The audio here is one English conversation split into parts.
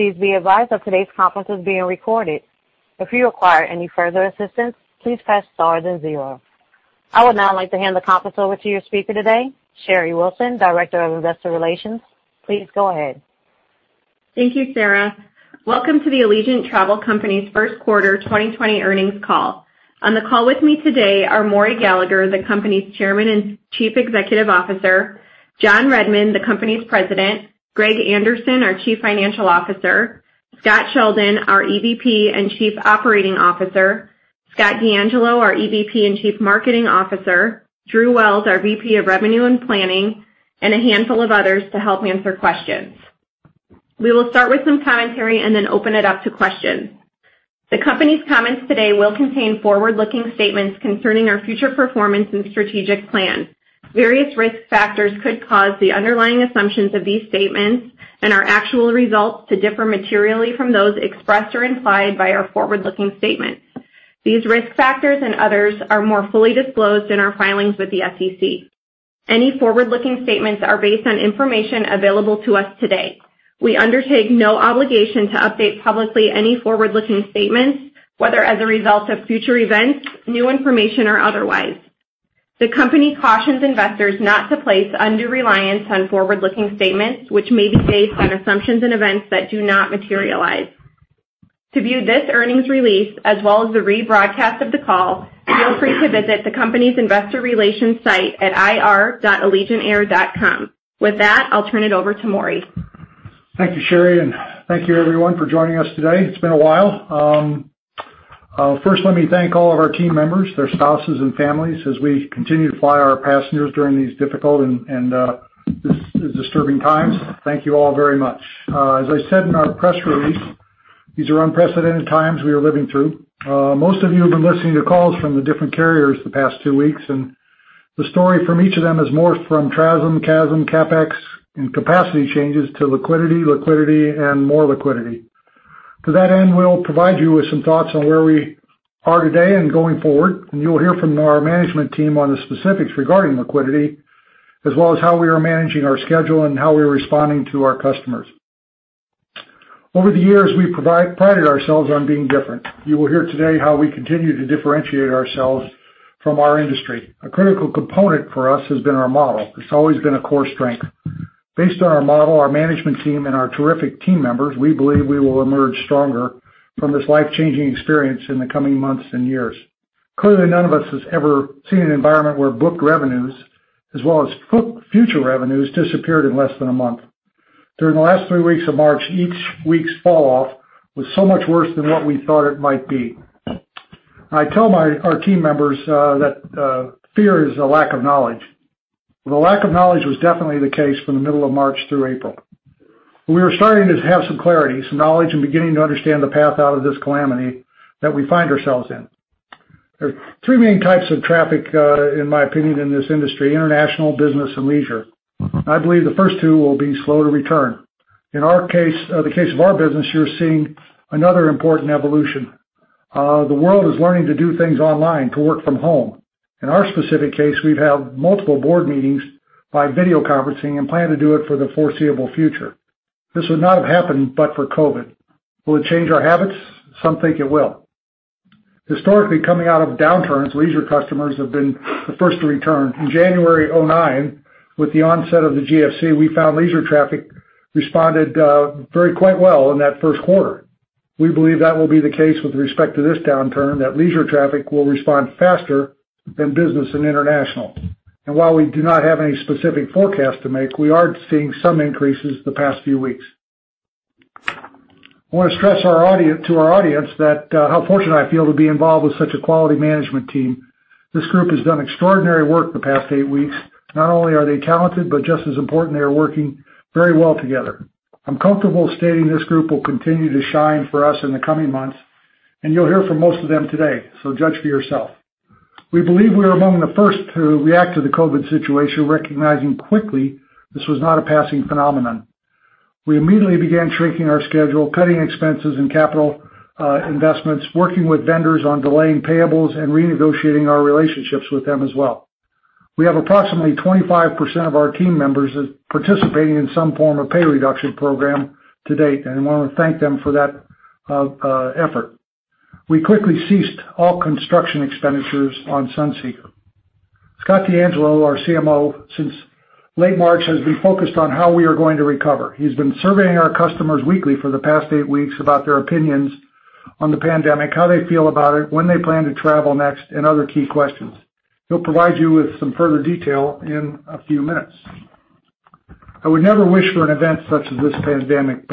Please be advised that today's conference is being recorded. If you require any further assistance, please press star then zero. I would now like to hand the conference over to your speaker today, Sherry Wilson, Director of Investor Relations. Please go ahead. Thank you, Sarah. Welcome to the Allegiant Travel Company's first quarter 2020 earnings call. On the call with me today are Maury Gallagher, the company's Chairman and Chief Executive Officer, John Redmond, the company's President, Greg Anderson, our Chief Financial Officer, Scott Sheldon, our EVP and Chief Operating Officer, Scott DeAngelo, our EVP and Chief Marketing Officer, Drew Wells, our VP of Revenue and Planning, and a handful of others to help answer questions. We will start with some commentary and then open it up to questions. The company's comments today will contain forward-looking statements concerning our future performance and strategic plan. Various risk factors could cause the underlying assumptions of these statements and our actual results to differ materially from those expressed or implied by our forward-looking statements. These risk factors and others are more fully disclosed in our filings with the SEC. Any forward-looking statements are based on information available to us today. We undertake no obligation to update publicly any forward-looking statements, whether as a result of future events, new information, or otherwise. The company cautions investors not to place undue reliance on forward-looking statements which may be based on assumptions and events that do not materialize. To view this earnings release, as well as the rebroadcast of the call, feel free to visit the company's investor relations site at ir.allegiantair.com. With that, I'll turn it over to Maury. Thank you, Sherry, and thank you everyone for joining us today. It's been a while. First, let me thank all of our team members, their spouses, and families, as we continue to fly our passengers during these difficult and these disturbing times. Thank you all very much. As I said in our press release, these are unprecedented times we are living through. Most of you have been listening to calls from the different carriers the past two weeks, and the story from each of them is more from TRASM, CASM, CapEx, and capacity changes to liquidity, and more liquidity. To that end, we'll provide you with some thoughts on where we are today and going forward, and you'll hear from our management team on the specifics regarding liquidity, as well as how we are managing our schedule and how we are responding to our customers. Over the years, we prided ourselves on being different. You will hear today how we continue to differentiate ourselves from our industry. A critical component for us has been our model. It's always been a core strength. Based on our model, our management team, and our terrific team members, we believe we will emerge stronger from this life-changing experience in the coming months and years. Clearly, none of us has ever seen an environment where booked revenues, as well as future revenues, disappeared in less than a month. During the last three weeks of March, each week's fall off was so much worse than what we thought it might be. I tell our team members that fear is a lack of knowledge. The lack of knowledge was definitely the case from the middle of March through April. We are starting to have some clarity, some knowledge, and beginning to understand the path out of this calamity that we find ourselves in. There are three main types of traffic, in my opinion, in this industry, international, business, and leisure. I believe the first two will be slow to return. In the case of our business, you're seeing another important evolution. The world is learning to do things online, to work from home. In our specific case, we've held multiple board meetings by video conferencing and plan to do it for the foreseeable future. This would not have happened but for COVID. Will it change our habits? Some think it will. Historically, coming out of downturns, leisure customers have been the first to return. In January 2009, with the onset of the GFC, we found leisure traffic responded very quite well in that first quarter. We believe that will be the case with respect to this downturn, that leisure traffic will respond faster than business and international. While we do not have any specific forecast to make, we are seeing some increases the past few weeks. I want to stress to our audience how fortunate I feel to be involved with such a quality management team. This group has done extraordinary work the past eight weeks. Not only are they talented, but just as important, they are working very well together. I'm comfortable stating this group will continue to shine for us in the coming months, and you'll hear from most of them today. Judge for yourself. We believe we were among the first to react to the COVID situation, recognizing quickly this was not a passing phenomenon. We immediately began shrinking our schedule, cutting expenses and capital investments, working with vendors on delaying payables, renegotiating our relationships with them as well. We have approximately 25% of our team members participating in some form of pay reduction program to date. I want to thank them for that effort. We quickly ceased all construction expenditures on Sunseeker. Scott DeAngelo, our CMO, since late March, has been focused on how we are going to recover. He's been surveying our customers weekly for the past eight weeks about their opinions on the pandemic, how they feel about it, when they plan to travel next, and other key questions. He'll provide you with some further detail in a few minutes. I would never wish for an event such as this pandemic.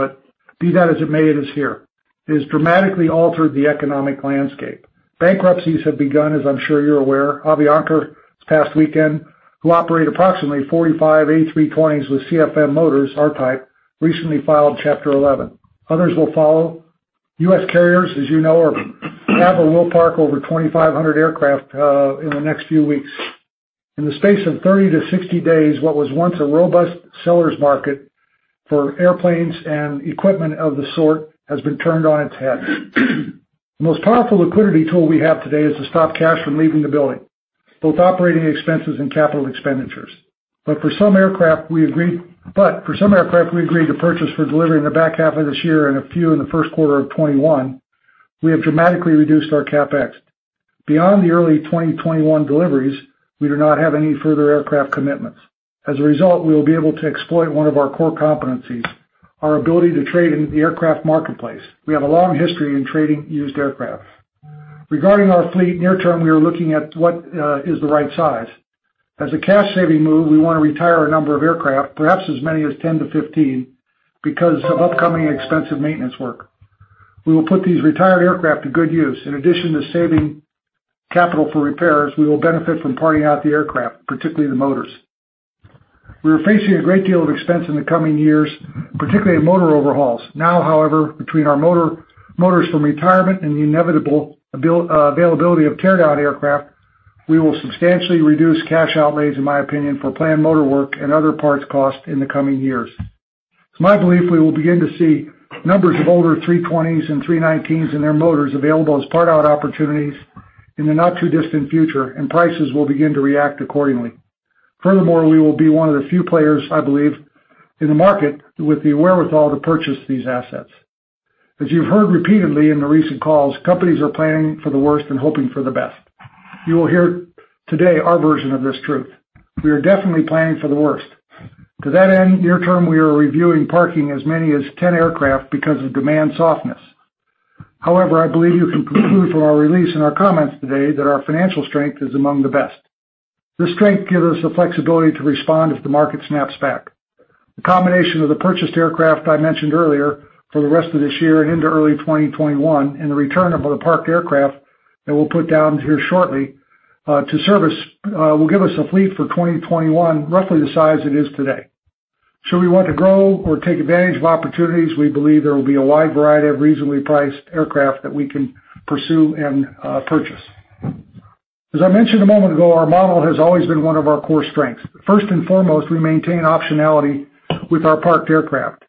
Be that as it may, it is here. It has dramatically altered the economic landscape. Bankruptcies have begun, as I'm sure you're aware. Avianca this past weekend, who operate approximately 45 A320s with CFM International, our type, recently filed Chapter 11. Others will follow. U.S. carriers, as you know, have or will park over 2,500 aircraft in the next few weeks. In the space of 30 to 60 days, what was once a robust seller's market for airplanes and equipment of the sort has been turned on its head. The most powerful liquidity tool we have today is to stop cash from leaving the building. Both operating expenses and capital expenditures. For some aircraft we agreed to purchase for delivery in the back half of this year and a few in the first quarter of 2021, we have dramatically reduced our CapEx. Beyond the early 2021 deliveries, we do not have any further aircraft commitments. As a result, we will be able to exploit one of our core competencies, our ability to trade in the aircraft marketplace. We have a long history in trading used aircraft. Regarding our fleet, near term, we are looking at what is the right size. As a cash-saving move, we want to retire a number of aircraft, perhaps as many as 10 to 15, because of upcoming expensive maintenance work. We will put these retired aircraft to good use. In addition to saving capital for repairs, we will benefit from parting out the aircraft, particularly the motors. We are facing a great deal of expense in the coming years, particularly in motor overhauls. Now, however, between our motors from retirement and the inevitable availability of teardown aircraft, we will substantially reduce cash outlays, in my opinion, for planned motor work and other parts cost in the coming years. It's my belief we will begin to see numbers of older A320s and A319s and their motors available as part-out opportunities in the not-too-distant future, and prices will begin to react accordingly. Furthermore, we will be one of the few players, I believe, in the market with the wherewithal to purchase these assets. As you've heard repeatedly in the recent calls, companies are planning for the worst and hoping for the best. You will hear today our version of this truth. We are definitely planning for the worst. To that end, near term, we are reviewing parking as many as 10 aircraft because of demand softness. However, I believe you can conclude from our release and our comments today that our financial strength is among the best. This strength gives us the flexibility to respond if the market snaps back. The combination of the purchased aircraft I mentioned earlier for the rest of this year and into early 2021, and the return of other parked aircraft that we'll put down here shortly to service will give us a fleet for 2021 roughly the size it is today. Should we want to grow or take advantage of opportunities, we believe there will be a wide variety of reasonably priced aircraft that we can pursue and purchase. As I mentioned a moment ago, our model has always been one of our core strengths. First and foremost, we maintain optionality with our parked aircraft.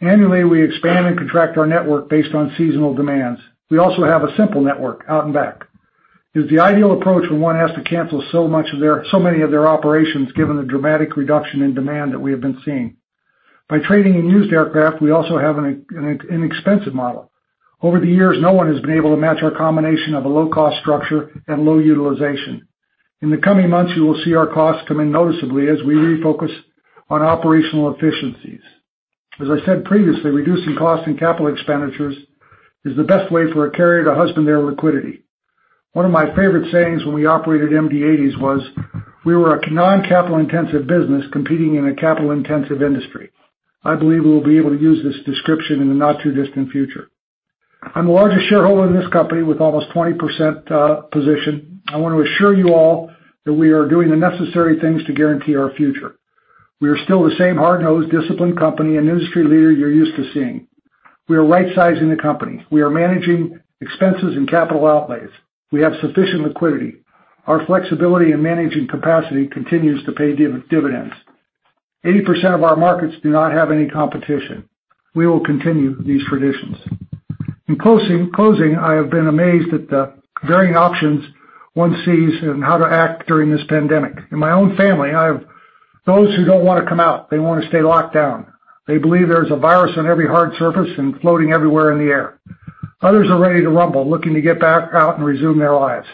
Annually, we expand and contract our network based on seasonal demands. We also have a simple network, out and back. It is the ideal approach when one has to cancel so many of their operations, given the dramatic reduction in demand that we have been seeing. By trading in used aircraft, we also have an inexpensive model. Over the years, no one has been able to match our combination of a low-cost structure and low utilization. In the coming months, you will see our costs come in noticeably as we refocus on operational efficiencies. As I said previously, reducing costs and capital expenditures is the best way for a carrier to husband their liquidity. One of my favorite sayings when we operated MD-80s was, we were a non-capital-intensive business competing in a capital-intensive industry. I believe we will be able to use this description in the not-too-distant future. I'm the largest shareholder in this company with almost a 20% position. I want to assure you all that we are doing the necessary things to guarantee our future. We are still the same hard-nosed, disciplined company and industry leader you're used to seeing. We are rightsizing the company. We are managing expenses and capital outlays. We have sufficient liquidity. Our flexibility in managing capacity continues to pay dividends. 80% of our markets do not have any competition. We will continue these traditions. In closing, I have been amazed at the varying options one sees and how to act during this pandemic. In my own family, I have those who don't want to come out. They want to stay locked down. They believe there's a virus on every hard surface and floating everywhere in the air. Others are ready to rumble, looking to get back out and resume their lives.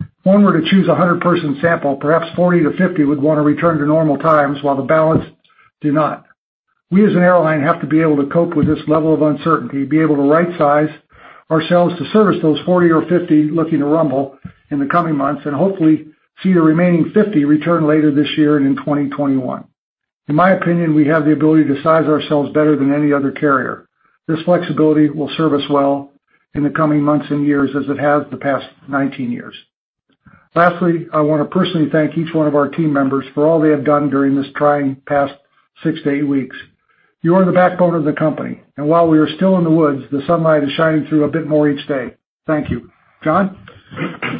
If one were to choose a 100-person sample, perhaps 40 to 50 would want to return to normal times, while the balance do not. We, as an airline, have to be able to cope with this level of uncertainty, be able to rightsize ourselves to service those 40 or 50 looking to rumble in the coming months, and hopefully see the remaining 50 return later this year and in 2021. In my opinion, we have the ability to size ourselves better than any other carrier. This flexibility will serve us well in the coming months and years as it has the past 19 years. Lastly, I want to personally thank each one of our team members for all they have done during this trying past six to eight weeks. You are the backbone of the company, and while we are still in the woods, the sunlight is shining through a bit more each day. Thank you. John?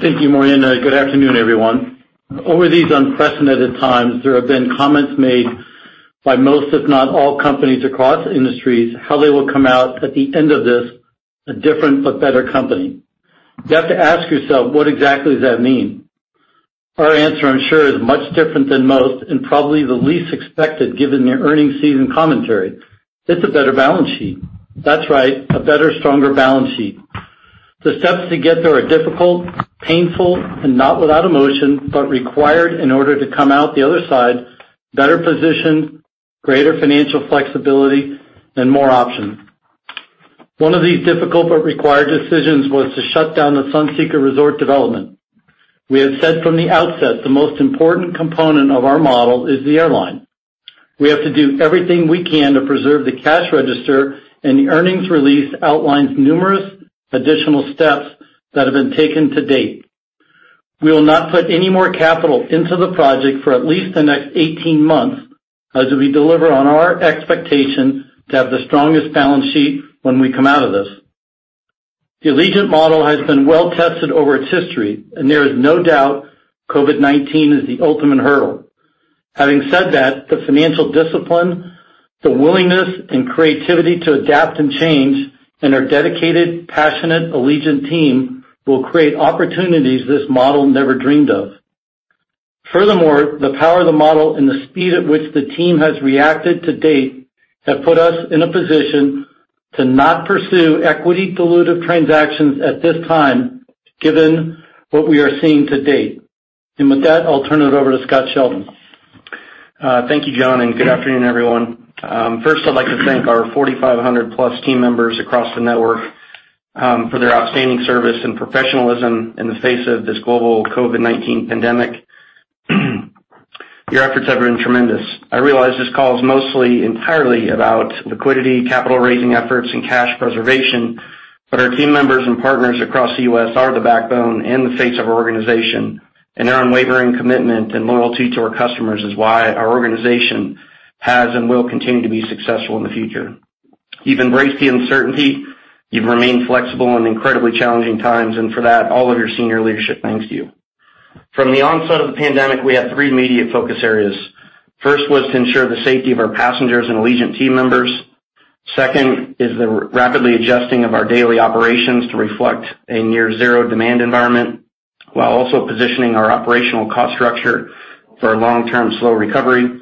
Thank you, Maury, and good afternoon, everyone. Over these unprecedented times, there have been comments made by most, if not all, companies across industries, how they will come out at the end of this a different but better company. You have to ask yourself, what exactly does that mean? Our answer, I'm sure, is much different than most and probably the least expected given the earnings season commentary. It's a better balance sheet. That's right, a better, stronger balance sheet. The steps to get there are difficult, painful, and not without emotion, but required in order to come out the other side better positioned, greater financial flexibility, and more options. One of these difficult but required decisions was to shut down the Sunseeker Resort development. We have said from the outset, the most important component of our model is the airline. We have to do everything we can to preserve the cash register. The earnings release outlines numerous additional steps that have been taken to date. We will not put any more capital into the project for at least the next 18 months as we deliver on our expectation to have the strongest balance sheet when we come out of this. The Allegiant model has been well-tested over its history. There is no doubt COVID-19 is the ultimate hurdle. Having said that, the financial discipline, the willingness and creativity to adapt and change, and our dedicated, passionate Allegiant team will create opportunities this model never dreamed of. Furthermore, the power of the model and the speed at which the team has reacted to date have put us in a position to not pursue equity dilutive transactions at this time, given what we are seeing to date. With that, I'll turn it over to Scott Sheldon. Thank you, John. Good afternoon, everyone. First, I'd like to thank our 4,500+ team members across the network for their outstanding service and professionalism in the face of this global COVID-19 pandemic. Your efforts have been tremendous. I realize this call is mostly entirely about liquidity, capital raising efforts, and cash preservation. Our team members and partners across the U.S. are the backbone and the face of our organization. Their unwavering commitment and loyalty to our customers is why our organization has and will continue to be successful in the future. You've embraced the uncertainty, you've remained flexible in incredibly challenging times. For that, all of your senior leadership thanks you. From the onset of the pandemic, we had three immediate focus areas. First was to ensure the safety of our passengers and Allegiant team members. Second is the rapidly adjusting of our daily operations to reflect a near zero demand environment while also positioning our operational cost structure for a long-term slow recovery.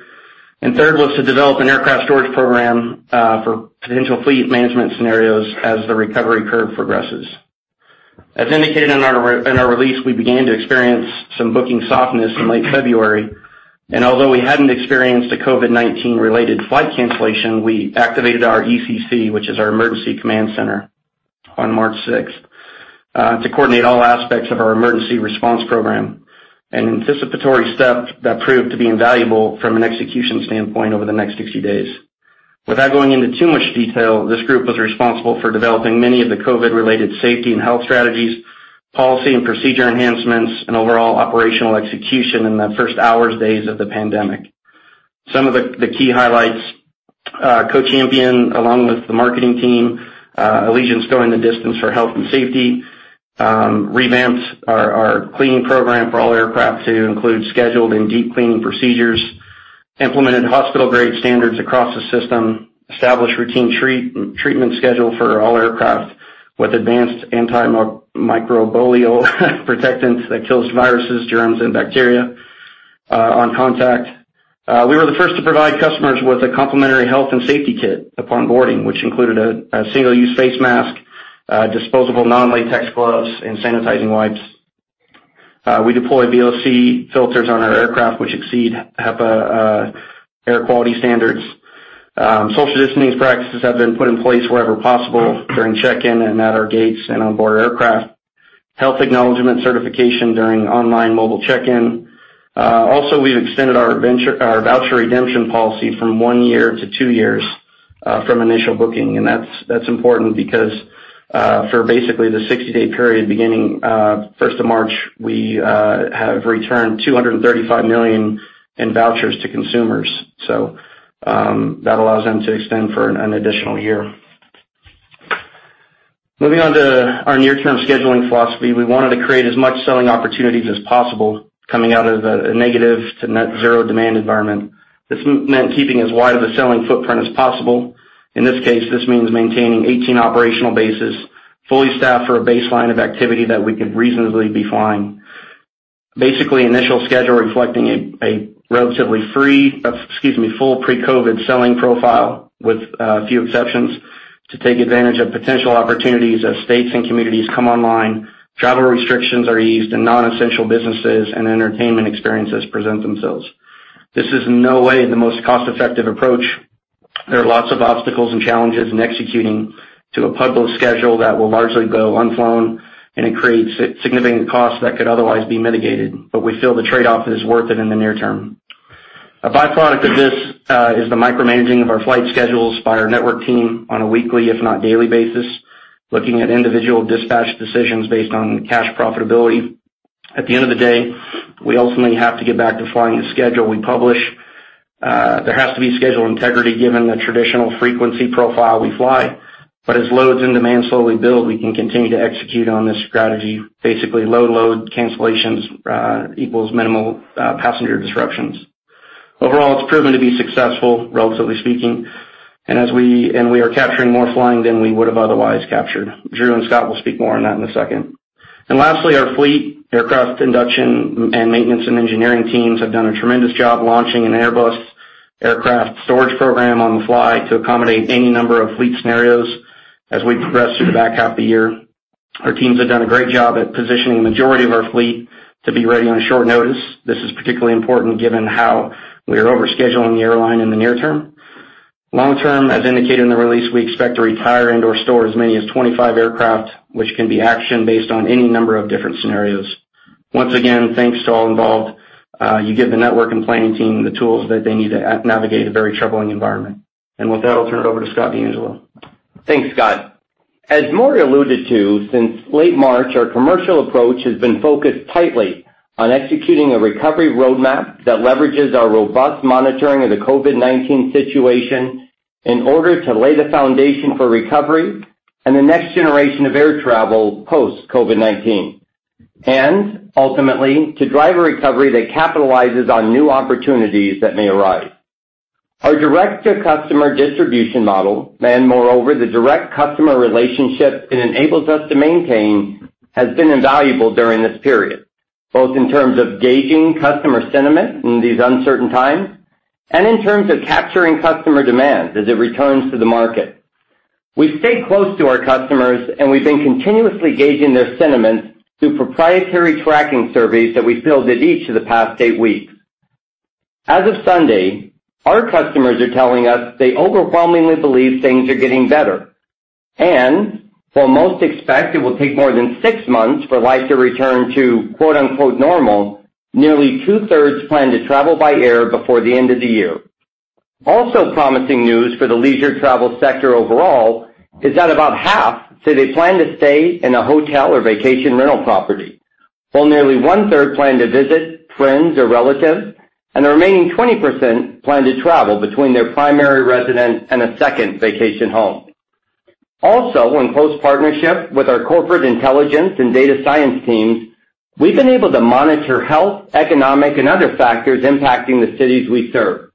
Third was to develop an aircraft storage program for potential fleet management scenarios as the recovery curve progresses. As indicated in our release, we began to experience some booking softness in late February, and although we hadn't experienced a COVID-19 related flight cancellation, we activated our ECC, which is our emergency command center, on March 6 to coordinate all aspects of our emergency response program, an anticipatory step that proved to be invaluable from an execution standpoint over the next 60 days. Without going into too much detail, this group was responsible for developing many of the COVID-related safety and health strategies, policy and procedure enhancements, and overall operational execution in the first hours, days of the pandemic. Some of the key highlights are Co Champion, along with the marketing team, Allegiant's going the distance for health and safety, revamped our cleaning program for all aircraft to include scheduled and deep cleaning procedures, implemented hospital-grade standards across the system, established routine treatment schedule for all aircraft with advanced antimicrobial protectants that kills viruses, germs, and bacteria on contact. We were the first to provide customers with a complimentary health and safety kit upon boarding, which included a single-use face mask, disposable non-latex gloves, and sanitizing wipes. We deployed VOC filters on our aircraft which exceed HEPA air quality standards. Social distancing practices have been put in place wherever possible during check-in and at our gates and onboard aircraft. Health acknowledgment certification during online mobile check-in. We've extended our voucher redemption policy from one year to two years from initial booking. That's important because for basically the 60-day period beginning 1st of March, we have returned $235 million in vouchers to consumers. That allows them to extend for an additional year. Moving on to our near-term scheduling philosophy. We wanted to create as much selling opportunities as possible coming out of a negative to net zero demand environment. This meant keeping as wide of a selling footprint as possible. In this case, this means maintaining 18 operational bases, fully staffed for a baseline of activity that we could reasonably be flying. Initial schedule reflecting a relatively free, excuse me, full pre-COVID selling profile with a few exceptions to take advantage of potential opportunities as states and communities come online, travel restrictions are eased, and non-essential businesses and entertainment experiences present themselves. This is in no way the most cost-effective approach. There are lots of obstacles and challenges in executing to a public schedule that will largely go unflown, and it creates significant costs that could otherwise be mitigated, but we feel the trade-off is worth it in the near term. A byproduct of this is the micromanaging of our flight schedules by our network team on a weekly, if not daily basis, looking at individual dispatch decisions based on cash profitability. At the end of the day, we ultimately have to get back to flying the schedule we publish. There has to be schedule integrity given the traditional frequency profile we fly. As loads and demand slowly build, we can continue to execute on this strategy. Basically, low load cancellations equals minimal passenger disruptions. Overall, it's proven to be successful, relatively speaking, and we are capturing more flying than we would have otherwise captured. Drew and Scott will speak more on that in a second. Lastly, our fleet aircraft induction and maintenance and engineering teams have done a tremendous job launching an Airbus aircraft storage program on the fly to accommodate any number of fleet scenarios as we progress through the back half of the year. Our teams have done a great job at positioning the majority of our fleet to be ready on short notice. This is particularly important given how we are overscheduling the airline in the near term. Long term, as indicated in the release, we expect to retire and/or store as many as 25 aircraft, which can be actioned based on any number of different scenarios. Once again, thanks to all involved. You give the network and planning team the tools that they need to navigate a very troubling environment. With that, I'll turn it over to Scott DeAngelo. Thanks, Scott. As Maury alluded to, since late March, our commercial approach has been focused tightly on executing a recovery roadmap that leverages our robust monitoring of the COVID-19 situation in order to lay the foundation for recovery and the next generation of air travel post COVID-19. Ultimately, to drive a recovery that capitalizes on new opportunities that may arise. Our direct-to-customer distribution model, and moreover, the direct customer relationship it enables us to maintain, has been invaluable during this period, both in terms of gauging customer sentiment in these uncertain times, and in terms of capturing customer demand as it returns to the market. We've stayed close to our customers, and we've been continuously gauging their sentiment through proprietary tracking surveys that we filled at each of the past eight weeks. As of Sunday, our customers are telling us they overwhelmingly believe things are getting better. While most expect it will take more than six months for life to return to "normal," nearly two-thirds plan to travel by air before the end of the year. Also, promising news for the leisure travel sector overall is that about half say they plan to stay in a hotel or vacation rental property, while nearly one-third plan to visit friends or relatives, and the remaining 20% plan to travel between their primary residence and a second vacation home. Also, in close partnership with our corporate intelligence and data science teams, we've been able to monitor health, economic, and other factors impacting the cities we serve.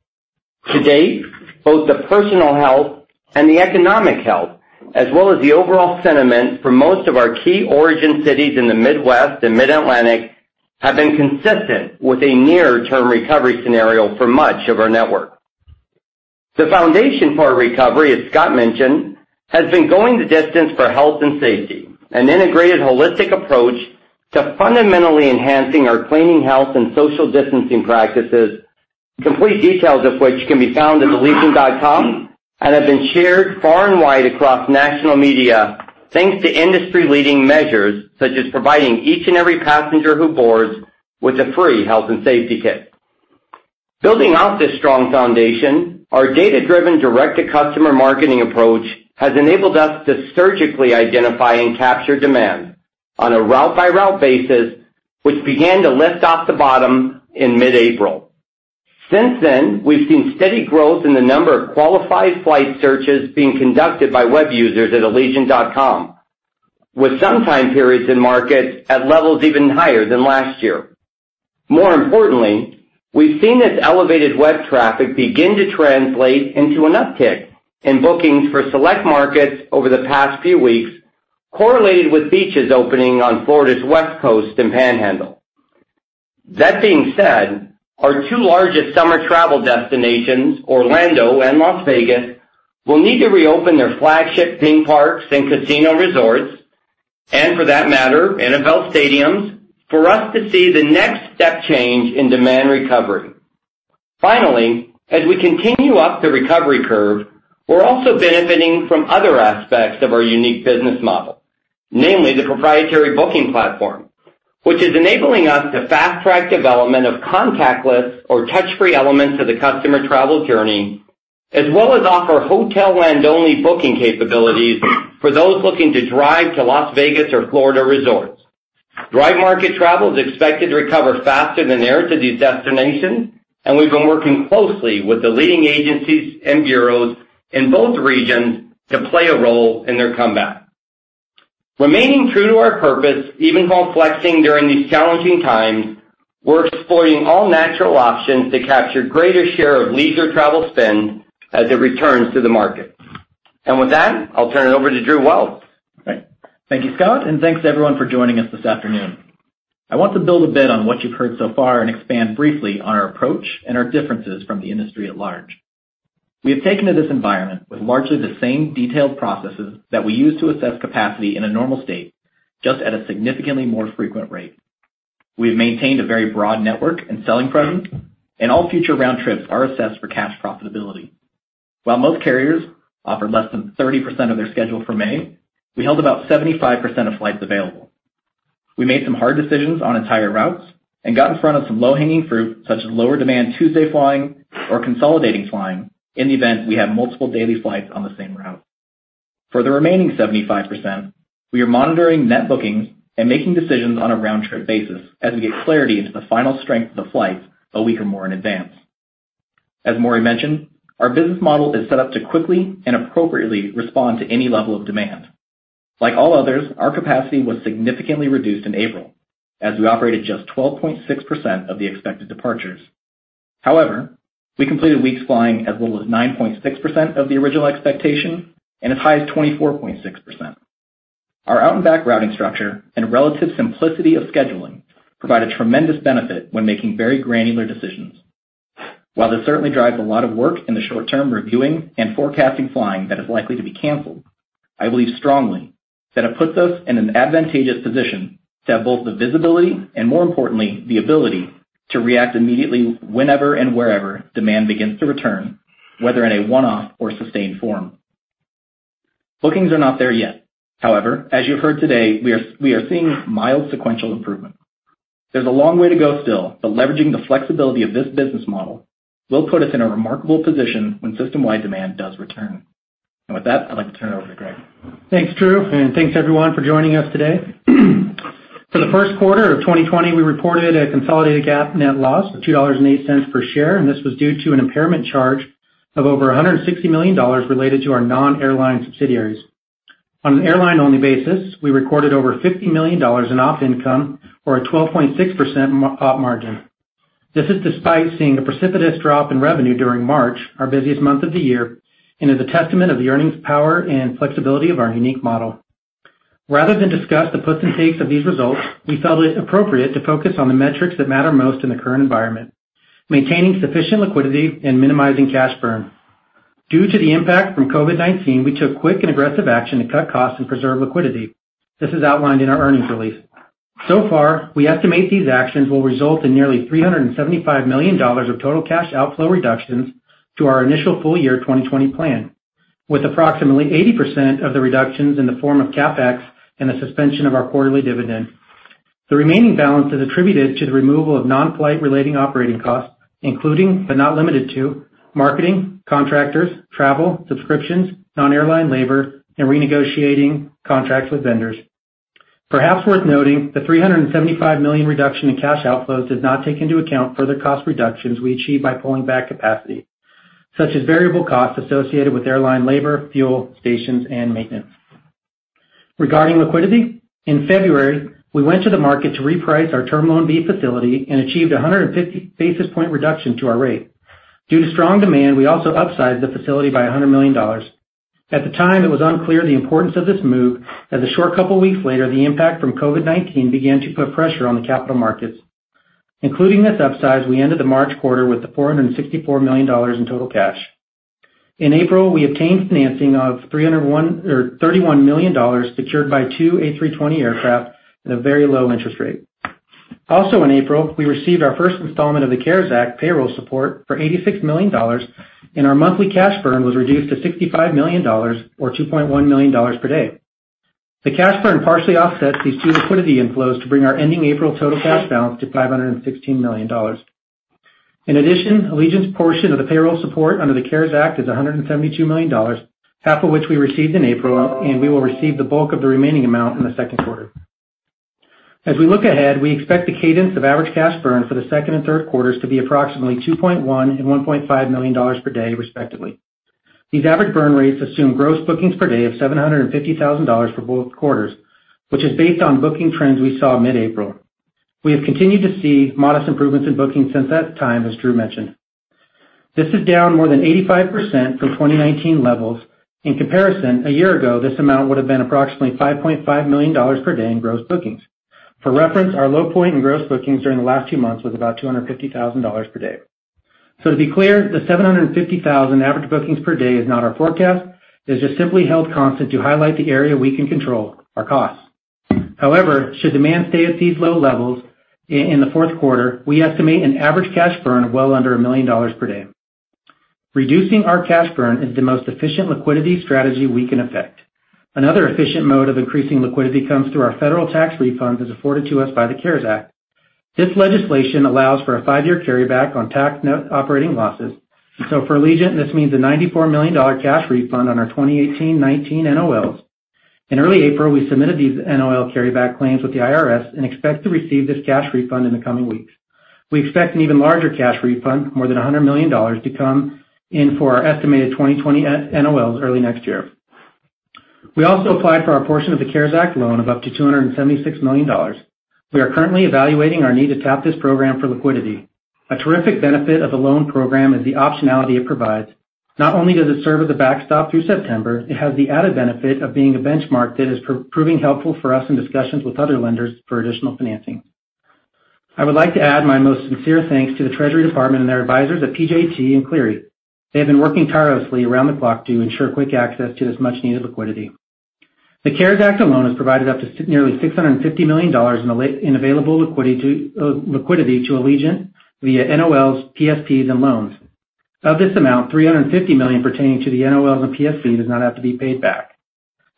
To date, both the personal health and the economic health, as well as the overall sentiment for most of our key origin cities in the Midwest and Mid-Atlantic, have been consistent with a near-term recovery scenario for much of our network. The foundation for our recovery, as Scott mentioned, has been going the distance for health and safety, an integrated holistic approach to fundamentally enhancing our cleaning, health, and social distancing practices, complete details of which can be found at allegiant.com and have been shared far and wide across national media thanks to industry-leading measures such as providing each and every passenger who boards with a free health and safety kit. Building off this strong foundation, our data-driven direct-to-customer marketing approach has enabled us to surgically identify and capture demand on a route-by-route basis, which began to lift off the bottom in mid-April. Since then, we've seen steady growth in the number of qualified flight searches being conducted by web users at allegiant.com, with some time periods in markets at levels even higher than last year. More importantly, we've seen this elevated web traffic begin to translate into an uptick in bookings for select markets over the past few weeks, correlated with beaches opening on Florida's West Coast and Panhandle. That being said, our two largest summer travel destinations, Orlando and Las Vegas, will need to reopen their flagship theme parks and casino resorts, and for that matter, NFL stadiums, for us to see the next step change in demand recovery. Finally, as we continue up the recovery curve, we're also benefiting from other aspects of our unique business model, namely the proprietary booking platform, which is enabling us to fast-track development of contactless or touch-free elements of the customer travel journey, as well as offer hotel-and-only booking capabilities for those looking to drive to Las Vegas or Florida resorts. Drive market travel is expected to recover faster than air to these destinations, and we've been working closely with the leading agencies and bureaus in both regions to play a role in their comeback. Remaining true to our purpose, even while flexing during these challenging times, we're exploring all natural options to capture greater share of leisure travel spend as it returns to the market. With that, I'll turn it over to Drew Wells. Right. Thank you, Scott, and thanks to everyone for joining us this afternoon. I want to build a bit on what you've heard so far and expand briefly on our approach and our differences from the industry at large. We have taken to this environment with largely the same detailed processes that we use to assess capacity in a normal state, just at a significantly more frequent rate. We have maintained a very broad network and selling presence, and all future round trips are assessed for cash profitability. While most carriers offer less than 30% of their schedule for May, we held about 75% of flights available. We made some hard decisions on entire routes and got in front of some low-hanging fruit, such as lower demand Tuesday flying or consolidating flying in the event we have multiple daily flights on the same route. For the remaining 75%, we are monitoring net bookings and making decisions on a round-trip basis as we get clarity into the final strength of the flight a week or more in advance. As Maury mentioned, our business model is set up to quickly and appropriately respond to any level of demand. Like all others, our capacity was significantly reduced in April as we operated just 12.6% of the expected departures. However, we completed weeks flying as little as 9.6% of the original expectation and as high as 24.6%. Our out-and-back routing structure and relative simplicity of scheduling provide a tremendous benefit when making very granular decisions. While this certainly drives a lot of work in the short term reviewing and forecasting flying that is likely to be canceled, I believe strongly that it puts us in an advantageous position to have both the visibility and, more importantly, the ability to react immediately whenever and wherever demand begins to return, whether in a one-off or sustained form. Bookings are not there yet. However, as you've heard today, we are seeing mild sequential improvement. There's a long way to go still, but leveraging the flexibility of this business model will put us in a remarkable position when system-wide demand does return. With that, I'd like to turn it over to Greg. Thanks, Drew, and thanks, everyone, for joining us today. For the first quarter of 2020, we reported a consolidated GAAP net loss of $2.08 per share, and this was due to an impairment charge of over $160 million related to our non-airline subsidiaries. On an airline-only basis, we recorded over $50 million in Op income or a 12.6% margin. This is despite seeing a precipitous drop in revenue during March, our busiest month of the year, and is a testament of the earnings power and flexibility of our unique model. Rather than discuss the puts and takes of these results, we felt it appropriate to focus on the metrics that matter most in the current environment, maintaining sufficient liquidity and minimizing cash burn. Due to the impact from COVID-19, we took quick and aggressive action to cut costs and preserve liquidity. This is outlined in our earnings release. So far, we estimate these actions will result in nearly $375 million of total cash outflow reductions to our initial full year 2020 plan, with approximately 80% of the reductions in the form of CapEx and the suspension of our quarterly dividend. The remaining balance is attributed to the removal of non-flight relating operating costs, including, but not limited to, marketing, contractors, travel, subscriptions, non-airline labor, and renegotiating contracts with vendors. Perhaps worth noting, the $375 million reduction in cash outflows does not take into account further cost reductions we achieve by pulling back capacity, such as variable costs associated with airline labor, fuel, stations, and maintenance. Regarding liquidity, in February, we went to the market to reprice our Term Loan B facility and achieved 150 basis point reduction to our rate. Due to strong demand, we also upsized the facility by $100 million. At the time, it was unclear the importance of this move, as a short couple weeks later, the impact from COVID-19 began to put pressure on the capital markets. Including this upsize, we ended the March quarter with $464 million in total cash. In April, we obtained financing of $31 million secured by two A320 aircraft at a very low interest rate. Also, in April, we received our first installment of the CARES Act payroll support for $86 million, and our monthly cash burn was reduced to $65 million or $2.1 million per day. The cash burn partially offsets these two liquidity inflows to bring our ending April total cash balance to $516 million. In addition, Allegiant's portion of the payroll support under the CARES Act is $172 million, half of which we received in April, and we will receive the bulk of the remaining amount in the second quarter. As we look ahead, we expect the cadence of average cash burn for the second and third quarters to be approximately $2.1 million and $1.5 million per day, respectively. These average burn rates assume gross bookings per day of $750,000 for both quarters, which is based on booking trends we saw mid-April. We have continued to see modest improvements in bookings since that time, as Drew mentioned. This is down more than 85% from 2019 levels. In comparison, a year ago, this amount would have been approximately $5.5 million per day in gross bookings. For reference, our low point in gross bookings during the last two months was about $250,000 per day. To be clear, the $750,000 average bookings per day is not our forecast. It's just simply held constant to highlight the area we can control our costs. However, should demand stay at these low levels in the fourth quarter, we estimate an average cash burn of well under $1 million per day. Reducing our cash burn is the most efficient liquidity strategy we can effect. Another efficient mode of increasing liquidity comes through our federal tax refunds as afforded to us by the CARES Act. This legislation allows for a five-year carryback on tax net operating losses. For Allegiant, this means a $94 million cash refund on our 2018-2019 NOLs. In early April, we submitted these NOL carryback claims with the IRS and expect to receive this cash refund in the coming weeks. We expect an even larger cash refund, more than $100 million, to come in for our estimated 2020 NOLs early next year. We also applied for our portion of the CARES Act loan of up to $276 million. We are currently evaluating our need to tap this program for liquidity. A terrific benefit of the loan program is the optionality it provides. Not only does it serve as a backstop through September, it has the added benefit of being a benchmark that is proving helpful for us in discussions with other lenders for additional financing. I would like to add my most sincere thanks to the Treasury Department and their advisors at PJT and Cleary. They have been working tirelessly around the clock to ensure quick access to this much-needed liquidity. The CARES Act loan has provided up to nearly $650 million in available liquidity to Allegiant via NOLs, PSPs, and loans. Of this amount, $350 million pertaining to the NOLs and PSPs does not have to be paid back.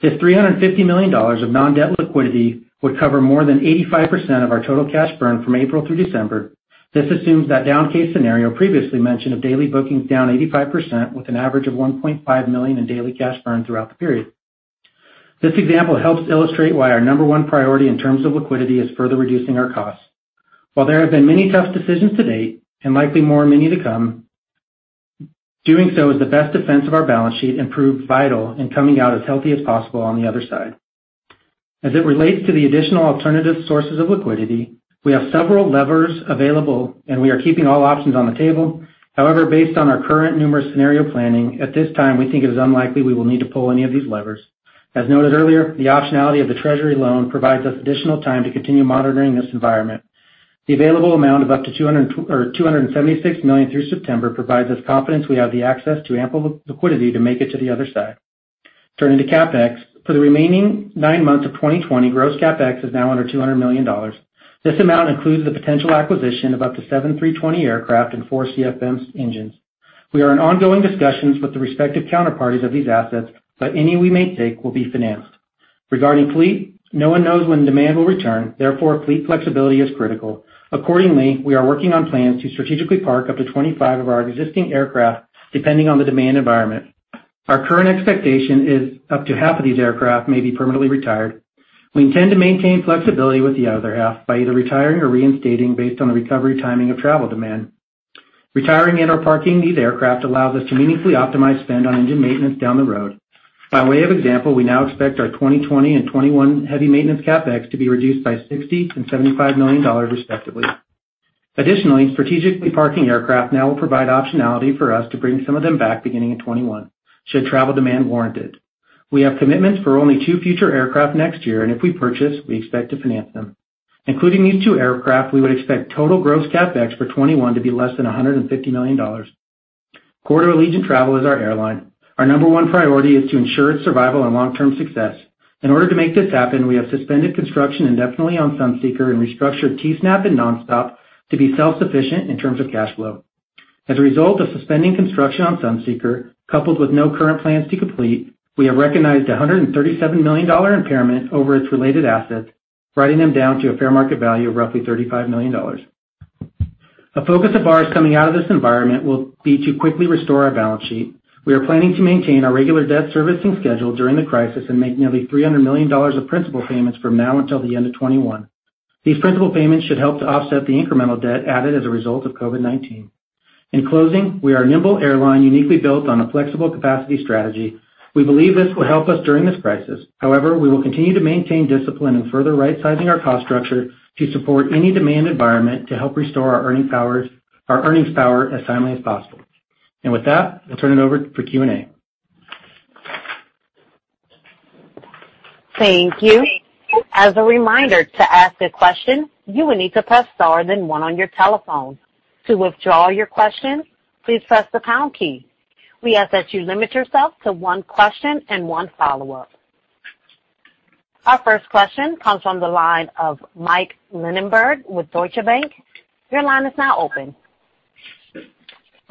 This $350 million of non-debt liquidity would cover more than 85% of our total cash burn from April through December. This assumes that down case scenario previously mentioned of daily bookings down 85% with an average of $1.5 million in daily cash burn throughout the period. This example helps illustrate why our number one priority in terms of liquidity is further reducing our costs. While there have been many tough decisions to date, and likely more and many to come, doing so is the best defense of our balance sheet and proved vital in coming out as healthy as possible on the other side. As it relates to the additional alternative sources of liquidity, we have several levers available, and we are keeping all options on the table. However, based on our current numerous scenario planning, at this time, we think it is unlikely we will need to pull any of these levers. As noted earlier, the optionality of the Treasury loan provides us additional time to continue monitoring this environment. The available amount of up to $276 million through September provides us confidence we have the access to ample liquidity to make it to the other side. Turning to CapEx. For the remaining nine months of 2020, gross CapEx is now under $200 million. This amount includes the potential acquisition of up to seven A320 aircraft and four CFM engines. We are in ongoing discussions with the respective counterparties of these assets, but any we may take will be financed. Regarding fleet, no one knows when demand will return. Therefore, fleet flexibility is critical. Accordingly, we are working on plans to strategically park up to 25 of our existing aircraft, depending on the demand environment. Our current expectation is up to half of these aircraft may be permanently retired. We intend to maintain flexibility with the other half by either retiring or reinstating based on the recovery timing of travel demand. Retiring and/or parking these aircraft allows us to meaningfully optimize spend on engine maintenance down the road. By way of example, we now expect our 2020 and 2021 heavy maintenance CapEx to be reduced by $60 million and $75 million respectively. Additionally, strategically parking aircraft now will provide optionality for us to bring some of them back beginning in 2021, should travel demand warrant it. We have commitments for only two future aircraft next year, and if we purchase, we expect to finance them. Including these two aircraft, we would expect total gross CapEx for 2021 to be less than $150 million. Allegiant Travel is our airline. Our number one priority is to ensure its survival and long-term success. In order to make this happen, we have suspended construction indefinitely on Sunseeker and restructured Teesnap and Nonstop to be self-sufficient in terms of cash flow. As a result of suspending construction on Sunseeker, coupled with no current plans to complete, we have recognized $137 million impairment over its related assets, writing them down to a fair market value of roughly $35 million. A focus of ours coming out of this environment will be to quickly restore our balance sheet. We are planning to maintain our regular debt servicing schedule during the crisis and make nearly $300 million of principal payments from now until the end of 2021. These principal payments should help to offset the incremental debt added as a result of COVID-19. In closing, we are a nimble airline uniquely built on a flexible capacity strategy. We believe this will help us during this crisis. However, we will continue to maintain discipline and further right-sizing our cost structure to support any demand environment to help restore our earnings power as timely as possible. With that, I'll turn it over for Q&A. Thank you. As a reminder, to ask a question, you will need to press star then one on your telephone. To withdraw your question, please press the pound key. We ask that you limit yourself to one question and one follow-up. Our first question comes from the line of Mike Linenberg with Deutsche Bank. Your line is now open.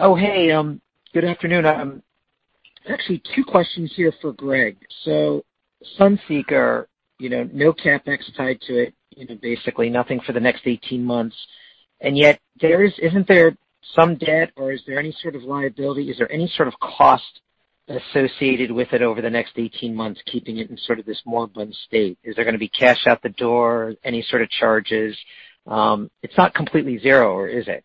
Oh, hey. Good afternoon. Actually, two questions here for Greg. Sunseeker, no CapEx tied to it, basically nothing for the next 18 months. Yet, isn't there some debt or is there any sort of liability? Is there any sort of cost associated with it over the next 18 months, keeping it in sort of this moribund state? Is there going to be cash out the door? Any sort of charges? It's not completely zero, or is it?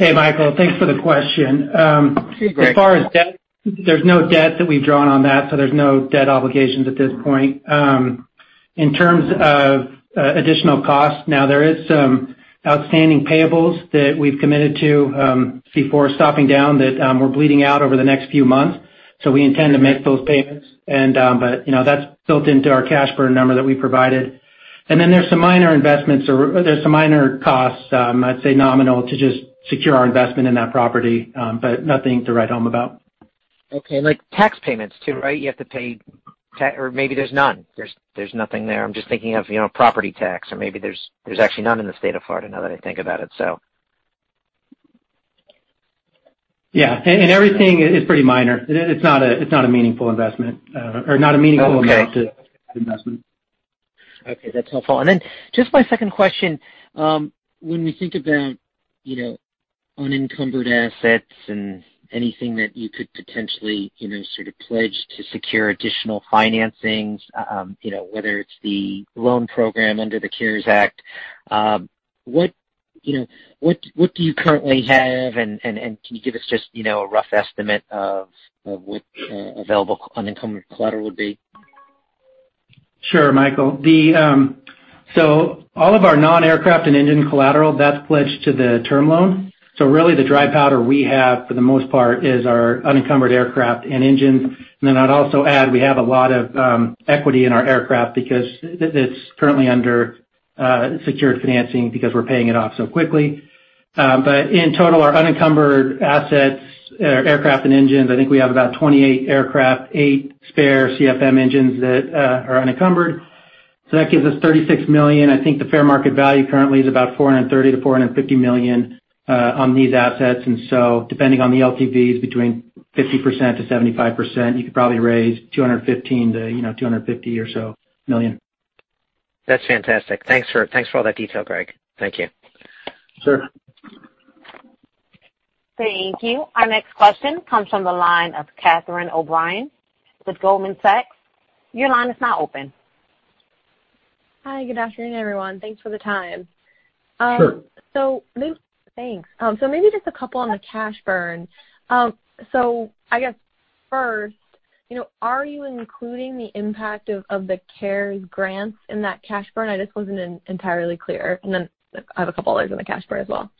Hey, Michael. Thanks for the question. Hey, Greg. As far as debt, there's no debt that we've drawn on that. There's no debt obligations at this point. In terms of additional costs, now, there is some outstanding payables that we've committed to before stopping down that we're bleeding out over the next few months. We intend to make those payments. That's built into our cash burn number that we provided. There's some minor investments, or there's some minor costs, I'd say nominal, to just secure our investment in that property. Nothing to write home about. Okay. Like tax payments too, right? You have to pay, or maybe there's none. There's nothing there. I'm just thinking of property tax or maybe there's actually none in the state of Florida now that I think about it. Yeah. Everything is pretty minor. It's not a meaningful investment. Oh, okay. Or not a meaningful amount of investment. Okay. That's helpful. Just my second question, when we think about unencumbered assets and anything that you could potentially sort of pledge to secure additional financings, whether it's the loan program under the CARES Act, what do you currently have, and can you give us just a rough estimate of what available unencumbered collateral would be? Sure, Michael. All of our non-aircraft and engine collateral, that's pledged to the term loan. Really the dry powder we have, for the most part, is our unencumbered aircraft and engine. I'd also add, we have a lot of equity in our aircraft because it's currently under secured financing because we're paying it off so quickly. In total, our unencumbered assets, aircraft and engines, I think we have about 28 aircraft, eight spare CFM engines that are unencumbered. That gives us $36 million. I think the fair market value currently is about $430 million-$450 million on these assets, depending on the LTVs, between 50%-75%, you could probably raise $215 million-$250 million or so. That's fantastic. Thanks for all that detail, Greg. Thank you. Sure. Thank you. Our next question comes from the line of Catherine O'Brien with Goldman Sachs. Your line is now open. Hi, good afternoon, everyone. Thanks for the time. Sure. Thanks. Maybe just a couple on the cash burn. I guess first, are you including the impact of the CARES grants in that cash burn? I just wasn't entirely clear. I have a couple others on the cash burn as well.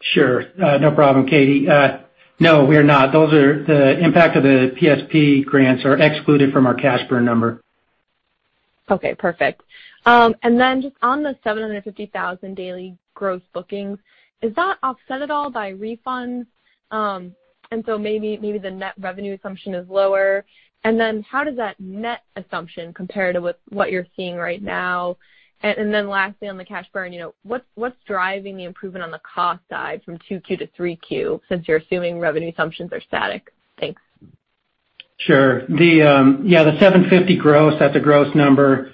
Sure. No problem, Catie. No, we are not. The impact of the PSP grants are excluded from our cash burn number. Okay, perfect. Just on the $750,000 daily gross bookings, is that offset at all by refunds? So maybe the net revenue assumption is lower? How does that net assumption compare to what you're seeing right now? Lastly, on the cash burn, what's driving the improvement on the cost side from 2Q to 3Q, since you're assuming revenue assumptions are static? Thanks. Sure. Yeah, the $750,000 gross, that's a gross number.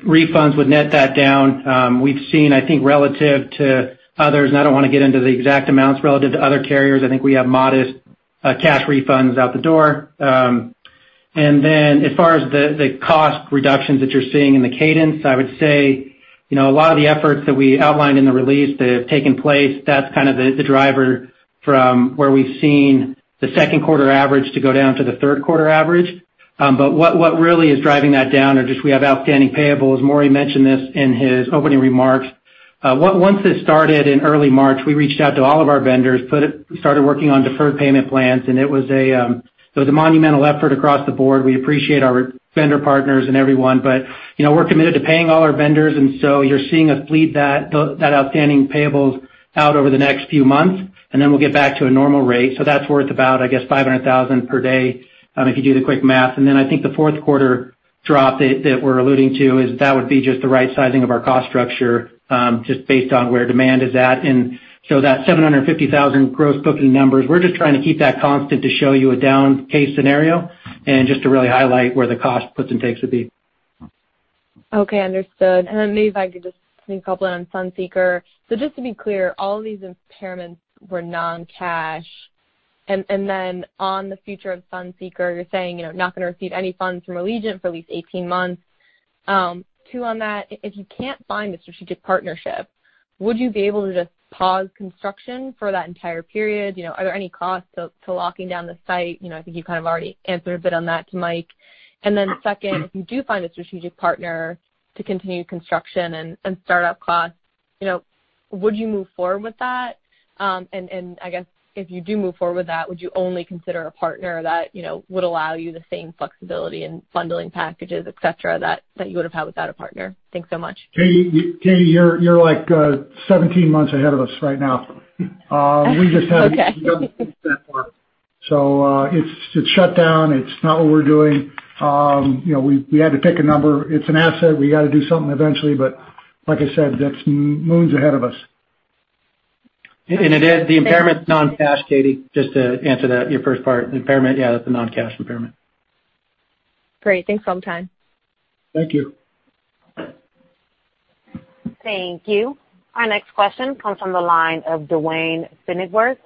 Refunds would net that down. We've seen, I think, relative to others, and I don't want to get into the exact amounts relative to other carriers, I think we have modest cash refunds out the door. As far as the cost reductions that you're seeing in the cadence, I would say a lot of the efforts that we outlined in the release that have taken place, that's kind of the driver from where we've seen the second quarter average to go down to the third quarter average. What really is driving that down are just, we have outstanding payables. Maury mentioned this in his opening remarks. Once this started in early March, we reached out to all of our vendors, started working on deferred payment plans, and it was a monumental effort across the board. We appreciate our vendor partners and everyone. We're committed to paying all our vendors, and so you're seeing us bleed that outstanding payables out over the next few months, and then we'll get back to a normal rate. That's worth about, I guess, $500,000 per day, if you do the quick math. Then I think the fourth quarter drop that we're alluding to is that would be just the right sizing of our cost structure, just based on where demand is at. That $750,000 gross booking numbers, we're just trying to keep that constant to show you a down case scenario and just to really highlight where the cost puts and takes would be. Okay, understood. Maybe if I could just ask a couple on Sunseeker. Just to be clear, all of these impairments were non-cash. On the future of Sunseeker, you're saying you're not going to receive any funds from Allegiant for at least 18 months. Two on that, if you can't find a strategic partnership, would you be able to just pause construction for that entire period? Are there any costs to locking down the site? I think you kind of already answered a bit on that to Mike. Second, if you do find a strategic partner to continue construction and start-up costs, would you move forward with that? I guess if you do move forward with that, would you only consider a partner that would allow you the same flexibility in bundling packages, et cetera, that you would have had without a partner? Thanks so much. Catie, you're like 17 months ahead of us right now. Okay. We just haven't done the steps yet. It's shut down. It's not what we're doing. We had to pick a number. It's an asset. We got to do something eventually, but like I said, that's moons ahead of us. It is, the impairment's non-cash, Catie, just to answer that, your first part. The impairment, yeah, that's a non-cash impairment. Great. Thanks for the time. Thank you. Thank you. Our next question comes from the line of Duane Pfennigwerth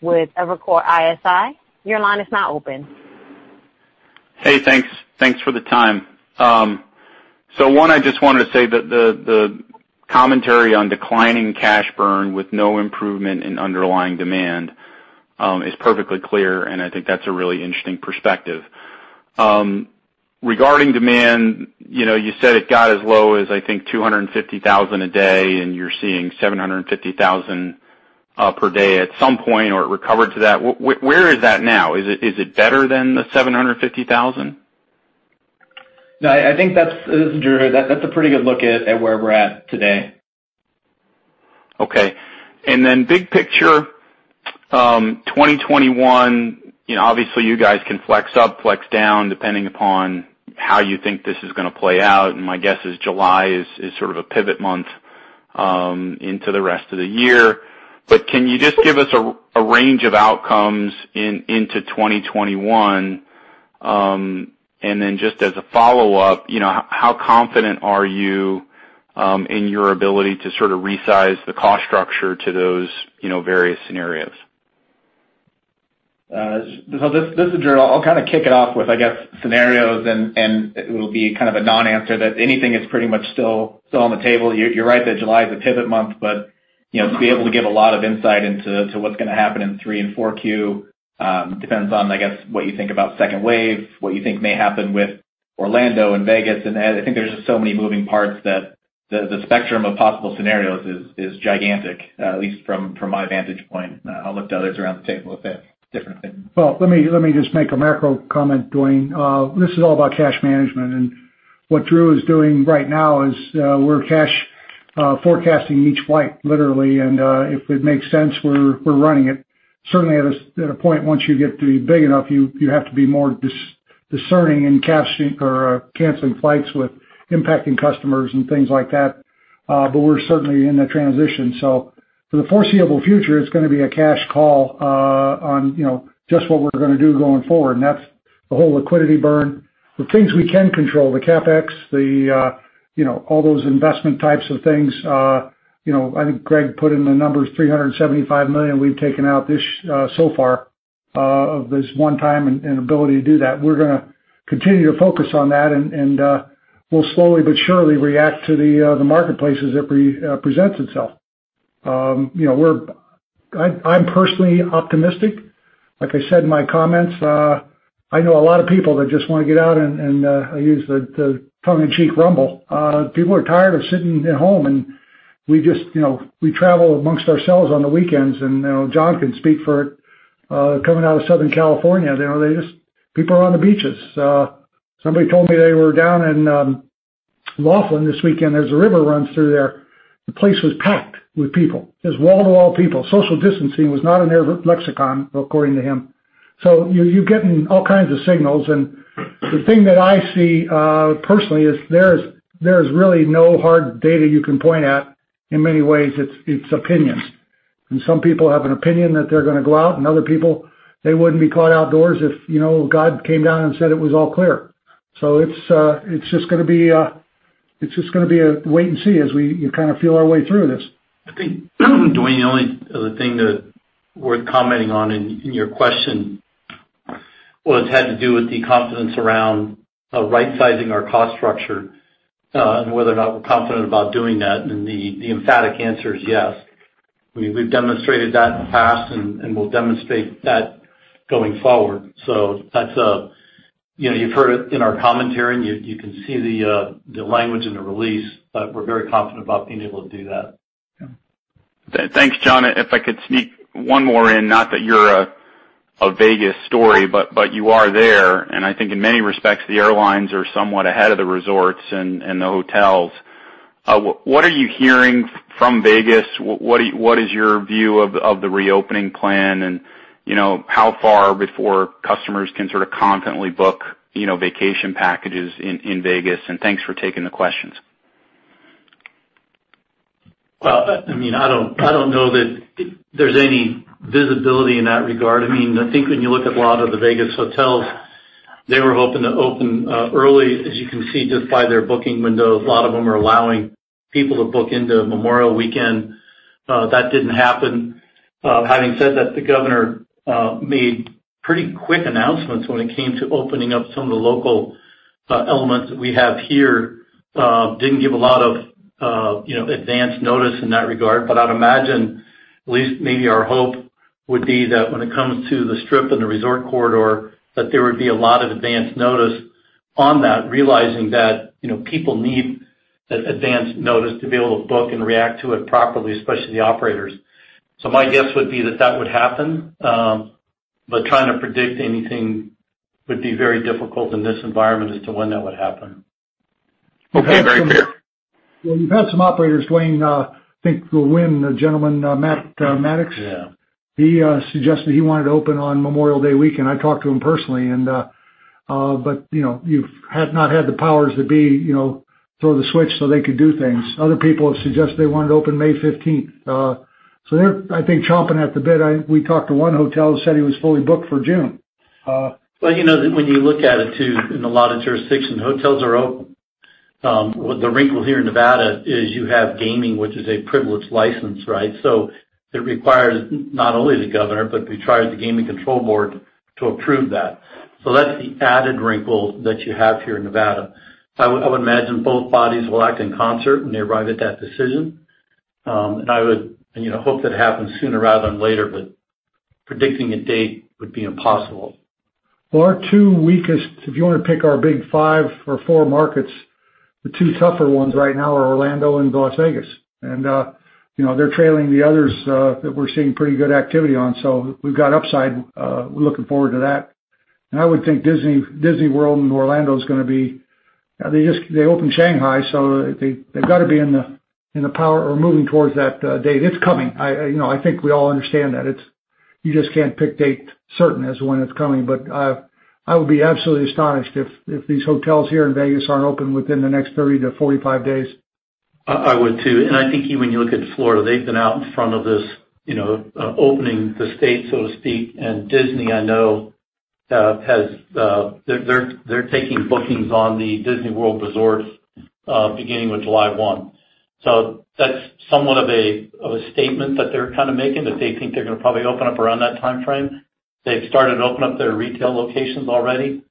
with Evercore ISI. Your line is now open. Hey, thanks for the time. One, I just wanted to say that the commentary on declining cash burn with no improvement in underlying demand is perfectly clear, and I think that's a really interesting perspective. Regarding demand, you said it got as low as I think $250,000 a day, and you're seeing $750,000 per day at some point, or it recovered to that. Where is that now? Is it better than the $750,000? No, I think that's, this is Drew, that's a pretty good look at where we're at today. Okay. Then big picture, 2021, obviously you guys can flex up, flex down, depending upon how you think this is going to play out, and my guess is July is sort of a pivot month into the rest of the year. Can you just give us a range of outcomes into 2021? Then just as a follow-up, how confident are you in your ability to sort of resize the cost structure to those various scenarios? This is Drew. I'll kind of kick it off with, I guess, scenarios, and it'll be kind of a non-answer that anything is pretty much still on the table. You're right that July is a pivot month, but to be able to give a lot of insight into what's going to happen in 3Q and 4Q depends on, I guess, what you think about second wave, what you think may happen with Orlando and Vegas. I think there are just so many moving parts that the spectrum of possible scenarios is gigantic, at least from my vantage point. I'll look to others around the table if they have different opinions. Well, let me just make a macro comment, Duane. This is all about cash management, and what Drew is doing right now is we're cash forecasting each flight, literally, and if it makes sense, we're running it. Certainly at a point, once you get to be big enough, you have to be more discerning in canceling flights with impacting customers and things like that. We're certainly in that transition. For the foreseeable future, it's going to be a cash call on just what we're going to do going forward, and that's the whole liquidity burn. The things we can control, the CapEx, all those investment types of things. I think Greg put in the numbers, $375 million we've taken out so far of this one time and ability to do that. We're going to continue to focus on that, and we'll slowly but surely react to the marketplace as it presents itself. I'm personally optimistic. Like I said in my comments, I know a lot of people that just want to get out and use the tongue-in-cheek rumble. People are tired of sitting at home, and we travel amongst ourselves on the weekends, and John can speak for it. Coming out of Southern California, people are on the beaches. Somebody told me they were down in Laughlin this weekend. There's a river that runs through there. The place was packed with people. It was wall-to-wall people. Social distancing was not in their lexicon, according to him. You're getting all kinds of signals, and the thing that I see personally is there is really no hard data you can point at. In many ways, it's opinion. Some people have an opinion that they're going to go out, and other people, they wouldn't be caught outdoors if God came down and said it was all clear. It's just going to be a wait and see as we kind of feel our way through this. I think, Duane, the only other thing that worth commenting on in your question was, had to do with the confidence around right-sizing our cost structure, and whether or not we're confident about doing that. The emphatic answer is yes. We've demonstrated that in the past, and we'll demonstrate that going forward. You've heard it in our commentary, and you can see the language in the release, but we're very confident about being able to do that. Yeah. Thanks, John. If I could sneak one more in, not that you're a Vegas story, but you are there. I think in many respects, the airlines are somewhat ahead of the resorts and the hotels. What are you hearing from Vegas? What is your view of the reopening plan? How far before customers can sort of confidently book vacation packages in Vegas? Thanks for taking the questions. Well, I don't know that there's any visibility in that regard. I think when you look at a lot of the Vegas hotels, they were hoping to open early, as you can see just by their booking windows. A lot of them are allowing people to book into Memorial Weekend. That didn't happen. Having said that, the governor made pretty quick announcements when it came to opening up some of the local elements that we have here. Didn't give a lot of advanced notice in that regard, but I'd imagine, at least maybe our hope would be that when it comes to the Strip and the Resort Corridor, that there would be a lot of advanced notice on that, realizing that people need that advanced notice to be able to book and react to it properly, especially the operators. My guess would be that that would happen. Trying to predict anything would be very difficult in this environment as to when that would happen. Okay. Very clear. Well, we've had some operators, Duane, I think the Wynn, the gentleman, Matt Maddox. Yeah. He suggested he wanted to open on Memorial Day weekend. I talked to him personally. You have not had the powers to throw the switch so they could do things. Other people have suggested they wanted to open May 15th. They're, I think, chomping at the bit. We talked to one hotel that said he was fully booked for June. You know that when you look at it, too, in a lot of jurisdictions, hotels are open. The wrinkle here in Nevada is you have gaming, which is a privileged license, right? It requires not only the governor, but it requires the Gaming Control Board to approve that. That's the added wrinkle that you have here in Nevada. I would imagine both bodies will act in concert when they arrive at that decision. I would hope that happens sooner rather than later. Predicting a date would be impossible. Well, if you want to pick our big five or four markets, the two tougher ones right now are Orlando and Las Vegas. They're trailing the others that we're seeing pretty good activity on. We've got upside. We're looking forward to that. I would think Disney World in Orlando is going to be-- they just opened Shanghai, so they've got to be in the power or moving towards that date. It's coming. I think we all understand that. You just can't pick dates certain as to when it's coming. I would be absolutely astonished if these hotels here in Vegas aren't open within the next 30 to 45 days. I would, too. I think even when you look at Florida, they've been out in front of this opening the state, so to speak. Disney, I know, they're taking bookings on the Disney World Resorts beginning with July 1. That's somewhat of a statement that they're kind of making, that they think they're going to probably open up around that timeframe. They've started to open up their retail locations already.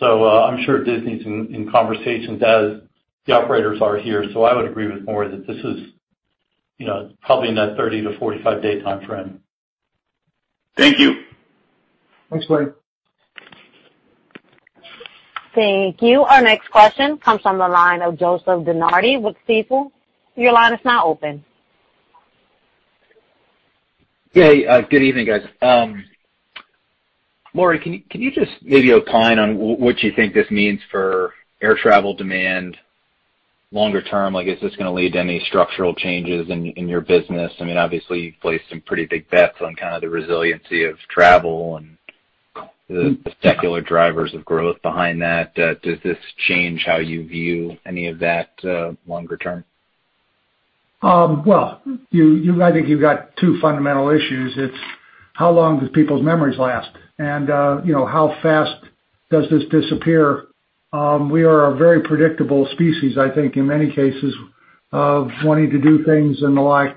I'm sure Disney's in conversations as the operators are here. I would agree with Maury that this is probably in that 30 to 45-day timeframe. Thank you. Thanks, Duane. Thank you. Our next question comes from the line of Joseph DeNardi with Stifel. Your line is now open. Yeah. Good evening, guys. Maury, can you just maybe opine on what you think this means for air travel demand longer term? Is this going to lead to any structural changes in your business? Obviously, you've placed some pretty big bets on kind of the resiliency of travel and the secular drivers of growth behind that. Does this change how you view any of that longer term? Well, I think you've got two fundamental issues. It's how long does people's memories last, and how fast does this disappear? We are a very predictable species, I think, in many cases of wanting to do things and the like.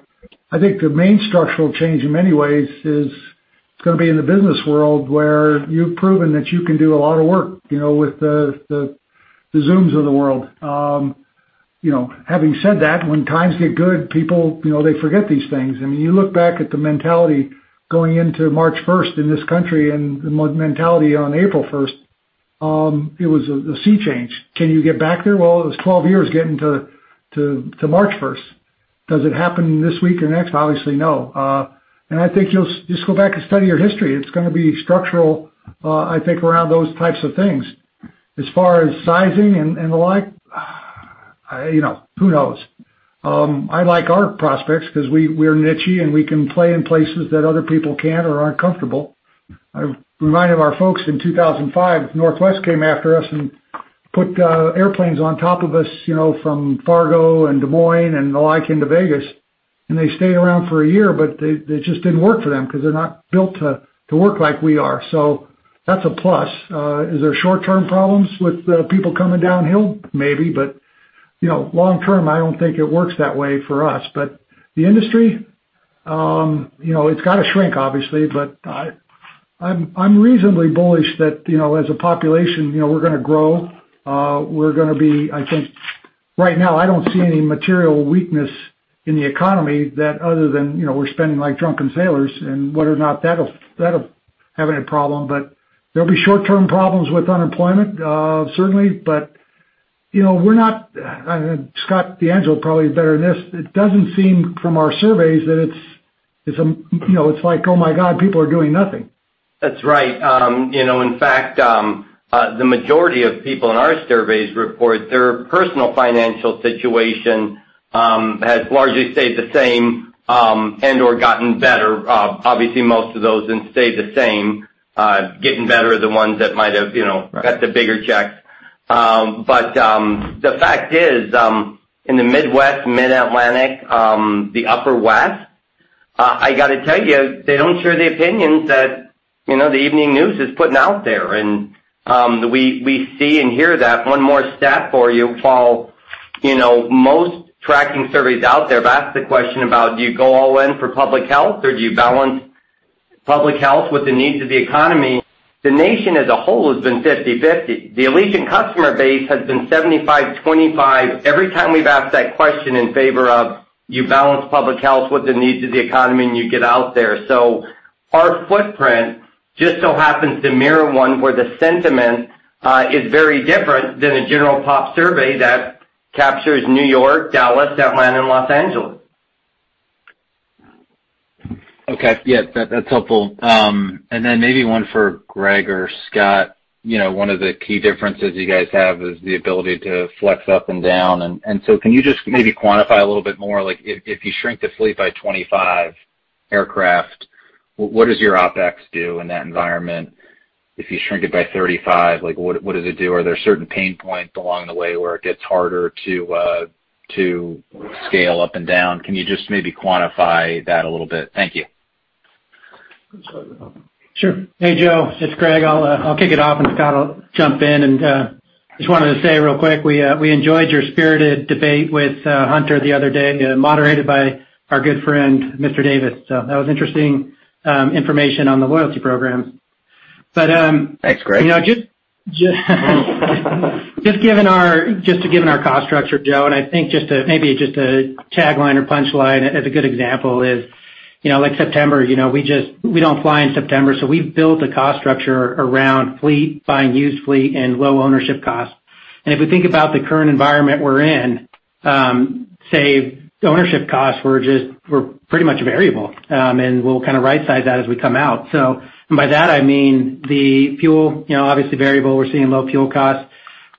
I think the main structural change, in many ways, is going to be in the business world, where you've proven that you can do a lot of work with the Zooms of the world. Having said that, when times get good, people forget these things. You look back at the mentality going into March 1st in this country and the mentality on April 1st, it was a sea change. Can you get back there? Well, it was 12 years getting to March 1st. Does it happen this week or next? Obviously, no. I think just go back and study your history. It's going to be structural, I think, around those types of things. As far as sizing and the like, who knows? I like our prospects because we're niche and we can play in places that other people can't or aren't comfortable. I reminded our folks in 2005, Northwest came after us and put airplanes on top of us from Fargo and Des Moines and the like into Vegas, and they stayed around for a year, but they just didn't work for them because they're not built to work like we are. That's a plus. Is there short-term problems with people coming downhill? Maybe. Long-term, I don't think it works that way for us. The industry, it's got to shrink, obviously, but I'm reasonably bullish that as a population we're going to grow. Right now, I don't see any material weakness in the economy that other than we're spending like drunken sailors and whether or not that'll have any problem. There'll be short-term problems with unemployment, certainly. We're not, Scott DeAngelo probably is better at this. It doesn't seem from our surveys that it's like, Oh my God, people are doing nothing. That's right. In fact, the majority of people in our surveys report their personal financial situation has largely stayed the same, and/or gotten better. Obviously, most of those stayed the same. Getting better are the ones that might have. Right. Got the bigger checks. The fact is, in the Midwest, Mid-Atlantic, the Upper West, I got to tell you, they don't share the opinions that the evening news is putting out there, and we see and hear that. One more step or you fall, you know, most tracking surveys out there have asked the question about, "Do you go all in for public health, or do you balance public health with the needs of the economy?" The nation as a whole has been 50/50. The Allegiant customer base has been 75/25 every time we've asked that question in favor of you balance public health with the needs of the economy, and you get out there. Our footprint just so happens to mirror one where the sentiment is very different than a general pop survey that captures New York, Dallas, Atlanta, and Los Angeles. Okay. Yeah. That's helpful. Maybe one for Greg or Scott. One of the key differences you guys have is the ability to flex up and down. Can you just maybe quantify a little bit more, if you shrink the fleet by 25 aircraft, what does your OpEx do in that environment? If you shrink it by 35, what does it do? Are there certain pain points along the way where it gets harder to scale up and down? Can you just maybe quantify that a little bit? Thank you. You can start it off. Sure. Hey, Joe, it's Greg. I'll kick it off, and Scott will jump in. Just wanted to say real quick, we enjoyed your spirited debate with Hunter the other day, moderated by our good friend, Mr. Davis. That was interesting information on the loyalty program. Thanks, Greg. Just given our cost structure, Joe, I think maybe just a tagline or punchline as a good example is, like September, we don't fly in September. We've built a cost structure around fleet, buying used fleet, and low ownership costs. If we think about the current environment we're in, say ownership costs were pretty much variable. We'll right-size that as we come out. By that I mean the fuel, obviously variable. We're seeing low fuel costs.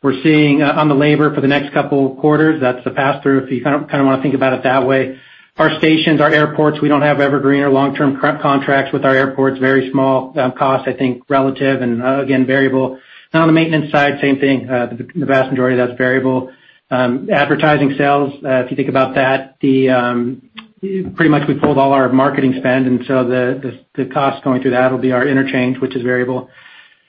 We're seeing on the labor for the next couple of quarters, that's the pass-through, if you kind of want to think about it that way. Our stations, our airports, we don't have evergreen or long-term contracts with our airports. Very small costs, I think, relative and again, variable. On the maintenance side, same thing. The vast majority of that's variable. Advertising sales, if you think about that, pretty much we pulled all our marketing spend, the cost going through that will be our interchange, which is variable.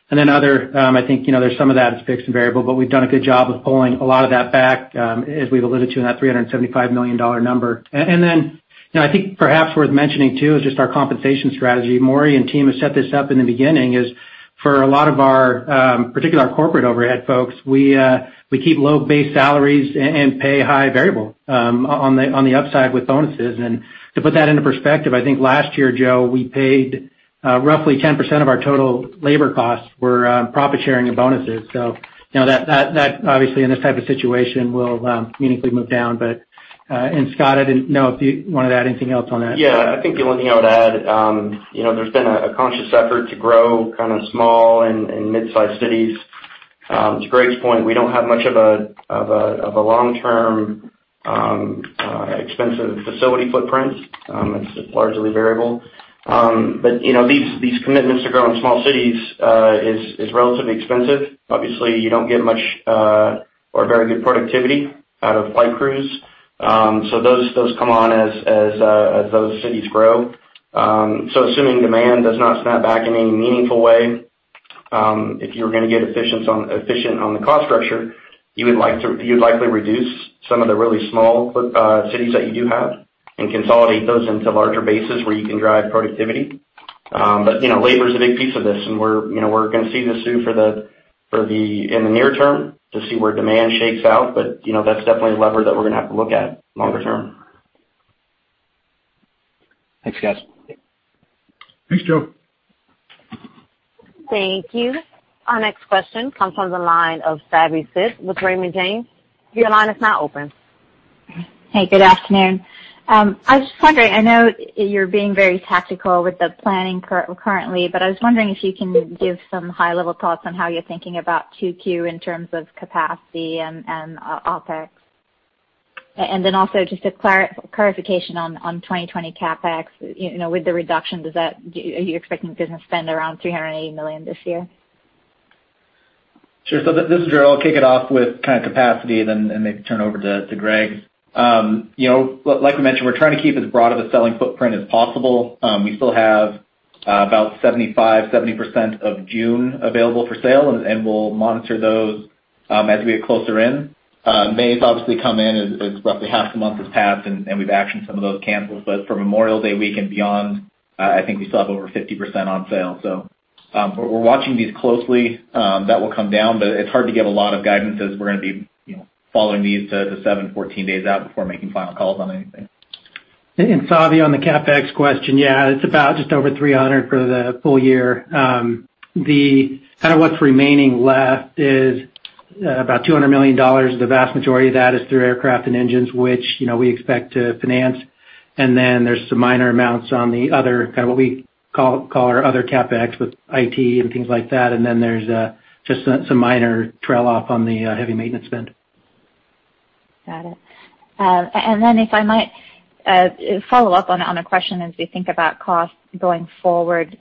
Other, I think, there's some of that is fixed and variable, but we've done a good job of pulling a lot of that back, as we've alluded to in that $375 million number. I think perhaps worth mentioning too, is just our compensation strategy. Maury and team have set this up in the beginning, is for a lot of our particular corporate overhead folks, we keep low base salaries and pay high variable on the upside with bonuses. To put that into perspective, I think last year, Joe, we paid roughly 10% of our total labor costs were profit-sharing and bonuses. That obviously in this type of situation will meaningfully move down. Scott, I didn't know if you wanted to add anything else on that? I think the only thing I would add, there's been a conscious effort to grow kind of small and mid-sized cities. To Greg's point, we don't have much of a long-term expensive facility footprint. It's largely variable. These commitments to grow in small cities is relatively expensive. Obviously, you don't get much or very good productivity out of flight crews. Those come on as those cities grow. Assuming demand does not snap back in any meaningful way, if you're going to get efficient on the cost structure, you'd likely reduce some of the really small cities that you do have and consolidate those into larger bases where you can drive productivity. Labor is a big piece of this, and we're going to see this too in the near term to see where demand shakes out. That's definitely a lever that we're going to have to look at longer term. Thanks, guys. Thanks, Joe. Thank you. Our next question comes from the line of Savi Syth with Raymond James. Your line is now open. Hey, good afternoon. I was just wondering, I know you're being very tactical with the planning currently, but I was wondering if you can give some high-level thoughts on how you're thinking about 2Q in terms of capacity and OpEx. Also just a clarification on 2020 CapEx. With the reduction, are you expecting business spend around $380 million this year? Sure. This is Drew. I'll kick it off with capacity and then maybe turn over to Gregory. Like we mentioned, we're trying to keep as broad of a selling footprint as possible. We still have about 75%, 70% of June available for sale, and we'll monitor those as we get closer in. May has obviously come in, as roughly half the month has passed, and we've actioned some of those cancels. For Memorial Day week and beyond, I think we still have over 50% on sale. We're watching these closely. That will come down, but it's hard to give a lot of guidance as we're going to be following these to seven, 14 days out before making final calls on anything. Savi, on the CapEx question, yeah, it's about just over $300 million for the full year. What's remaining left is about $200 million. The vast majority of that is through aircraft and engines, which we expect to finance. There's some minor amounts on the other, what we call our other CapEx, with IT and things like that. There's just some minor trail off on the heavy maintenance spend. Got it. If I might follow up on a question as we think about cost going forward.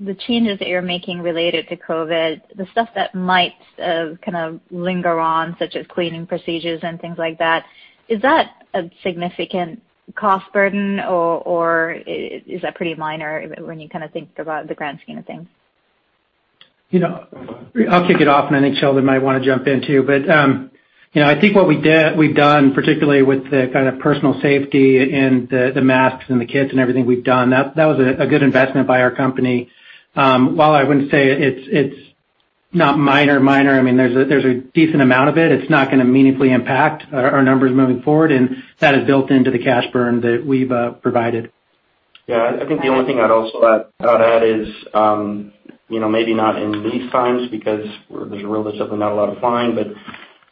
The changes that you're making related to COVID, the stuff that might kind of linger on, such as cleaning procedures and things like that, is that a significant cost burden or is that pretty minor when you think about the grand scheme of things? I'll kick it off. I think Sheldon might want to jump in, too. I think what we've done, particularly with the kind of personal safety and the masks and the kits and everything we've done, that was a good investment by our company. While I wouldn't say it's not minor-minor, there's a decent amount of it. It's not going to meaningfully impact our numbers moving forward. That is built into the cash burn that we've provided. I think the only thing I'd also add is, maybe not in these times, because there's really simply not a lot of flying, but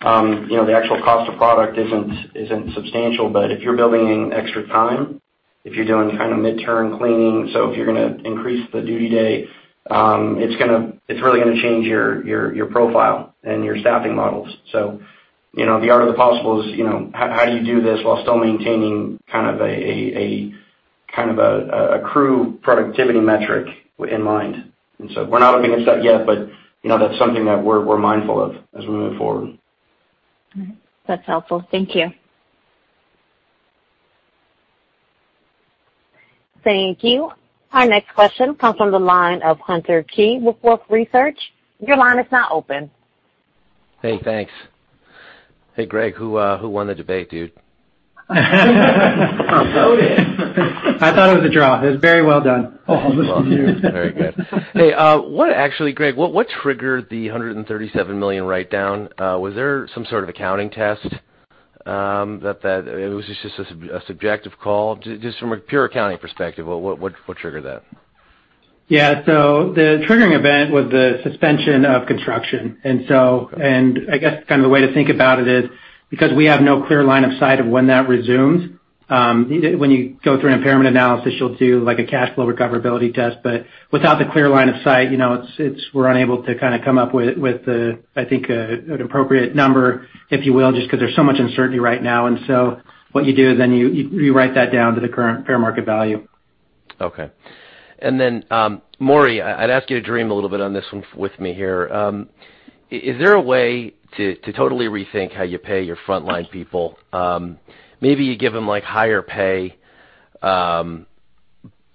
the actual cost of product isn't substantial. If you're building in extra time, if you're doing kind of mid-term cleaning, if you're going to increase the duty day, it's really going to change your profile and your staffing models. The art of the possible is how do you do this while still maintaining a crew productivity metric in mind? We're not looking at that yet, but that's something that we're mindful of as we move forward. All right. That's helpful. Thank you. Thank you. Our next question comes from the line of Hunter Keay with Wolfe Research. Your line is now open. Hey, thanks. Hey Greg, who won the debate, dude? I thought it was a draw. It was very well done. Very good. Hey, what actually, Greg, what triggered the $137 million write-down? Was there some sort of accounting test, or was it just a subjective call? Just from a pure accounting perspective, what triggered that? Yeah. The triggering event was the suspension of construction. I guess the way to think about it is because we have no clear line of sight of when that resumes. When you go through an impairment analysis, you'll do a cash flow recoverability test. Without the clear line of sight, we're unable to come up with, I think, an appropriate number, if you will, just because there's so much uncertainty right now. What you do then, you write that down to the current fair market value. Okay. Maury, I'd ask you to dream a little bit on this one with me here. Is there a way to totally rethink how you pay your frontline people? Maybe you give them higher pay on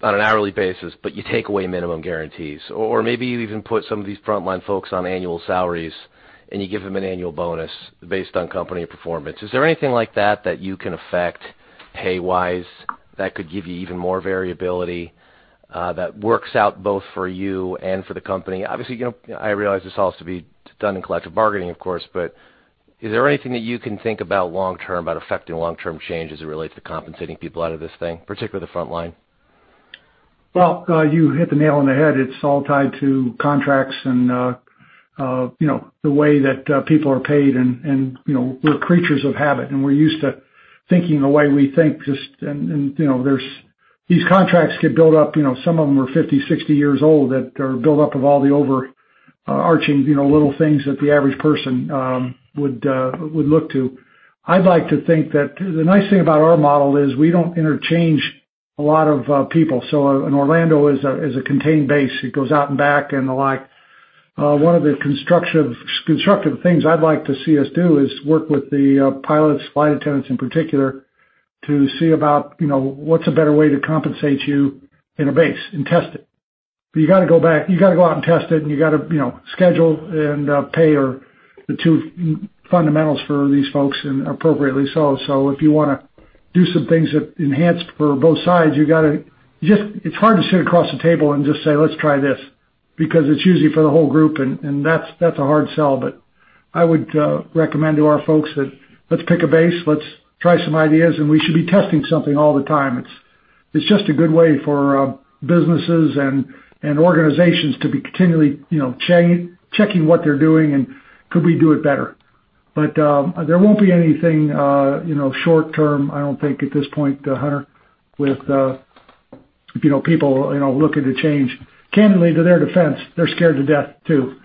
an hourly basis, but you take away minimum guarantees. Maybe you even put some of these frontline folks on annual salaries and you give them an annual bonus based on company performance. Is there anything like that you can affect pay-wise that could give you even more variability that works out both for you and for the company? I realize this all has to be done in collective bargaining, of course, but is there anything that you can think about long-term, about affecting long-term change as it relates to compensating people out of this thing, particularly the frontline? Well, you hit the nail on the head. It's all tied to contracts and the way that people are paid, and we're creatures of habit, and we're used to thinking the way we think. These contracts get built up. Some of them are 50, 60 years old, that are built up of all the overarching little things that the average person would look to. I'd like to think that the nice thing about our model is we don't interchange a lot of people. In Orlando is a contained base. It goes out and back and the like. One of the constructive things I'd like to see us do is work with the pilots, flight attendants in particular, to see about what's a better way to compensate you in a base and test it. You got to go out and test it, and you got to schedule and pay are the two fundamentals for these folks and appropriately so. If you want to do some things that enhance for both sides, it's hard to sit across the table and just say, "Let's try this," because it's usually for the whole group, and that's a hard sell. I would recommend to our folks that let's pick a base, let's try some ideas, and we should be testing something all the time. It's just a good way for businesses and organizations to be continually checking what they're doing, and could we do it better. There won't be anything short-term, I don't think, at this point, Hunter, with people looking to change. Candidly, to their defense, they're scared to death, too.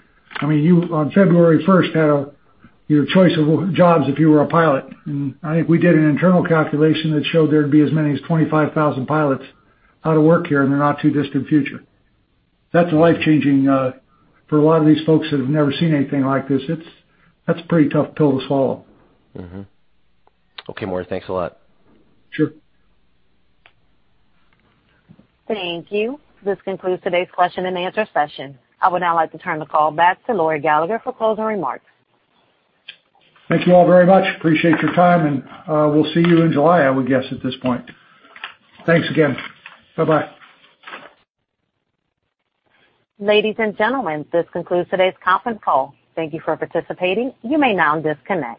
You on February first had your choice of jobs if you were a pilot. I think we did an internal calculation that showed there'd be as many as 25,000 pilots out of work here in the not-too-distant future. That's life-changing for a lot of these folks that have never seen anything like this. That's a pretty tough pill to swallow. Okay, Maury. Thanks a lot. Sure. Thank you. This concludes today's question and answer session. I would now like to turn the call back to Maury Gallagher for closing remarks. Thank you all very much. Appreciate your time, we'll see you in July, I would guess at this point. Thanks again. Bye-bye. Ladies and gentlemen, this concludes today's conference call. Thank you for participating. You may now disconnect.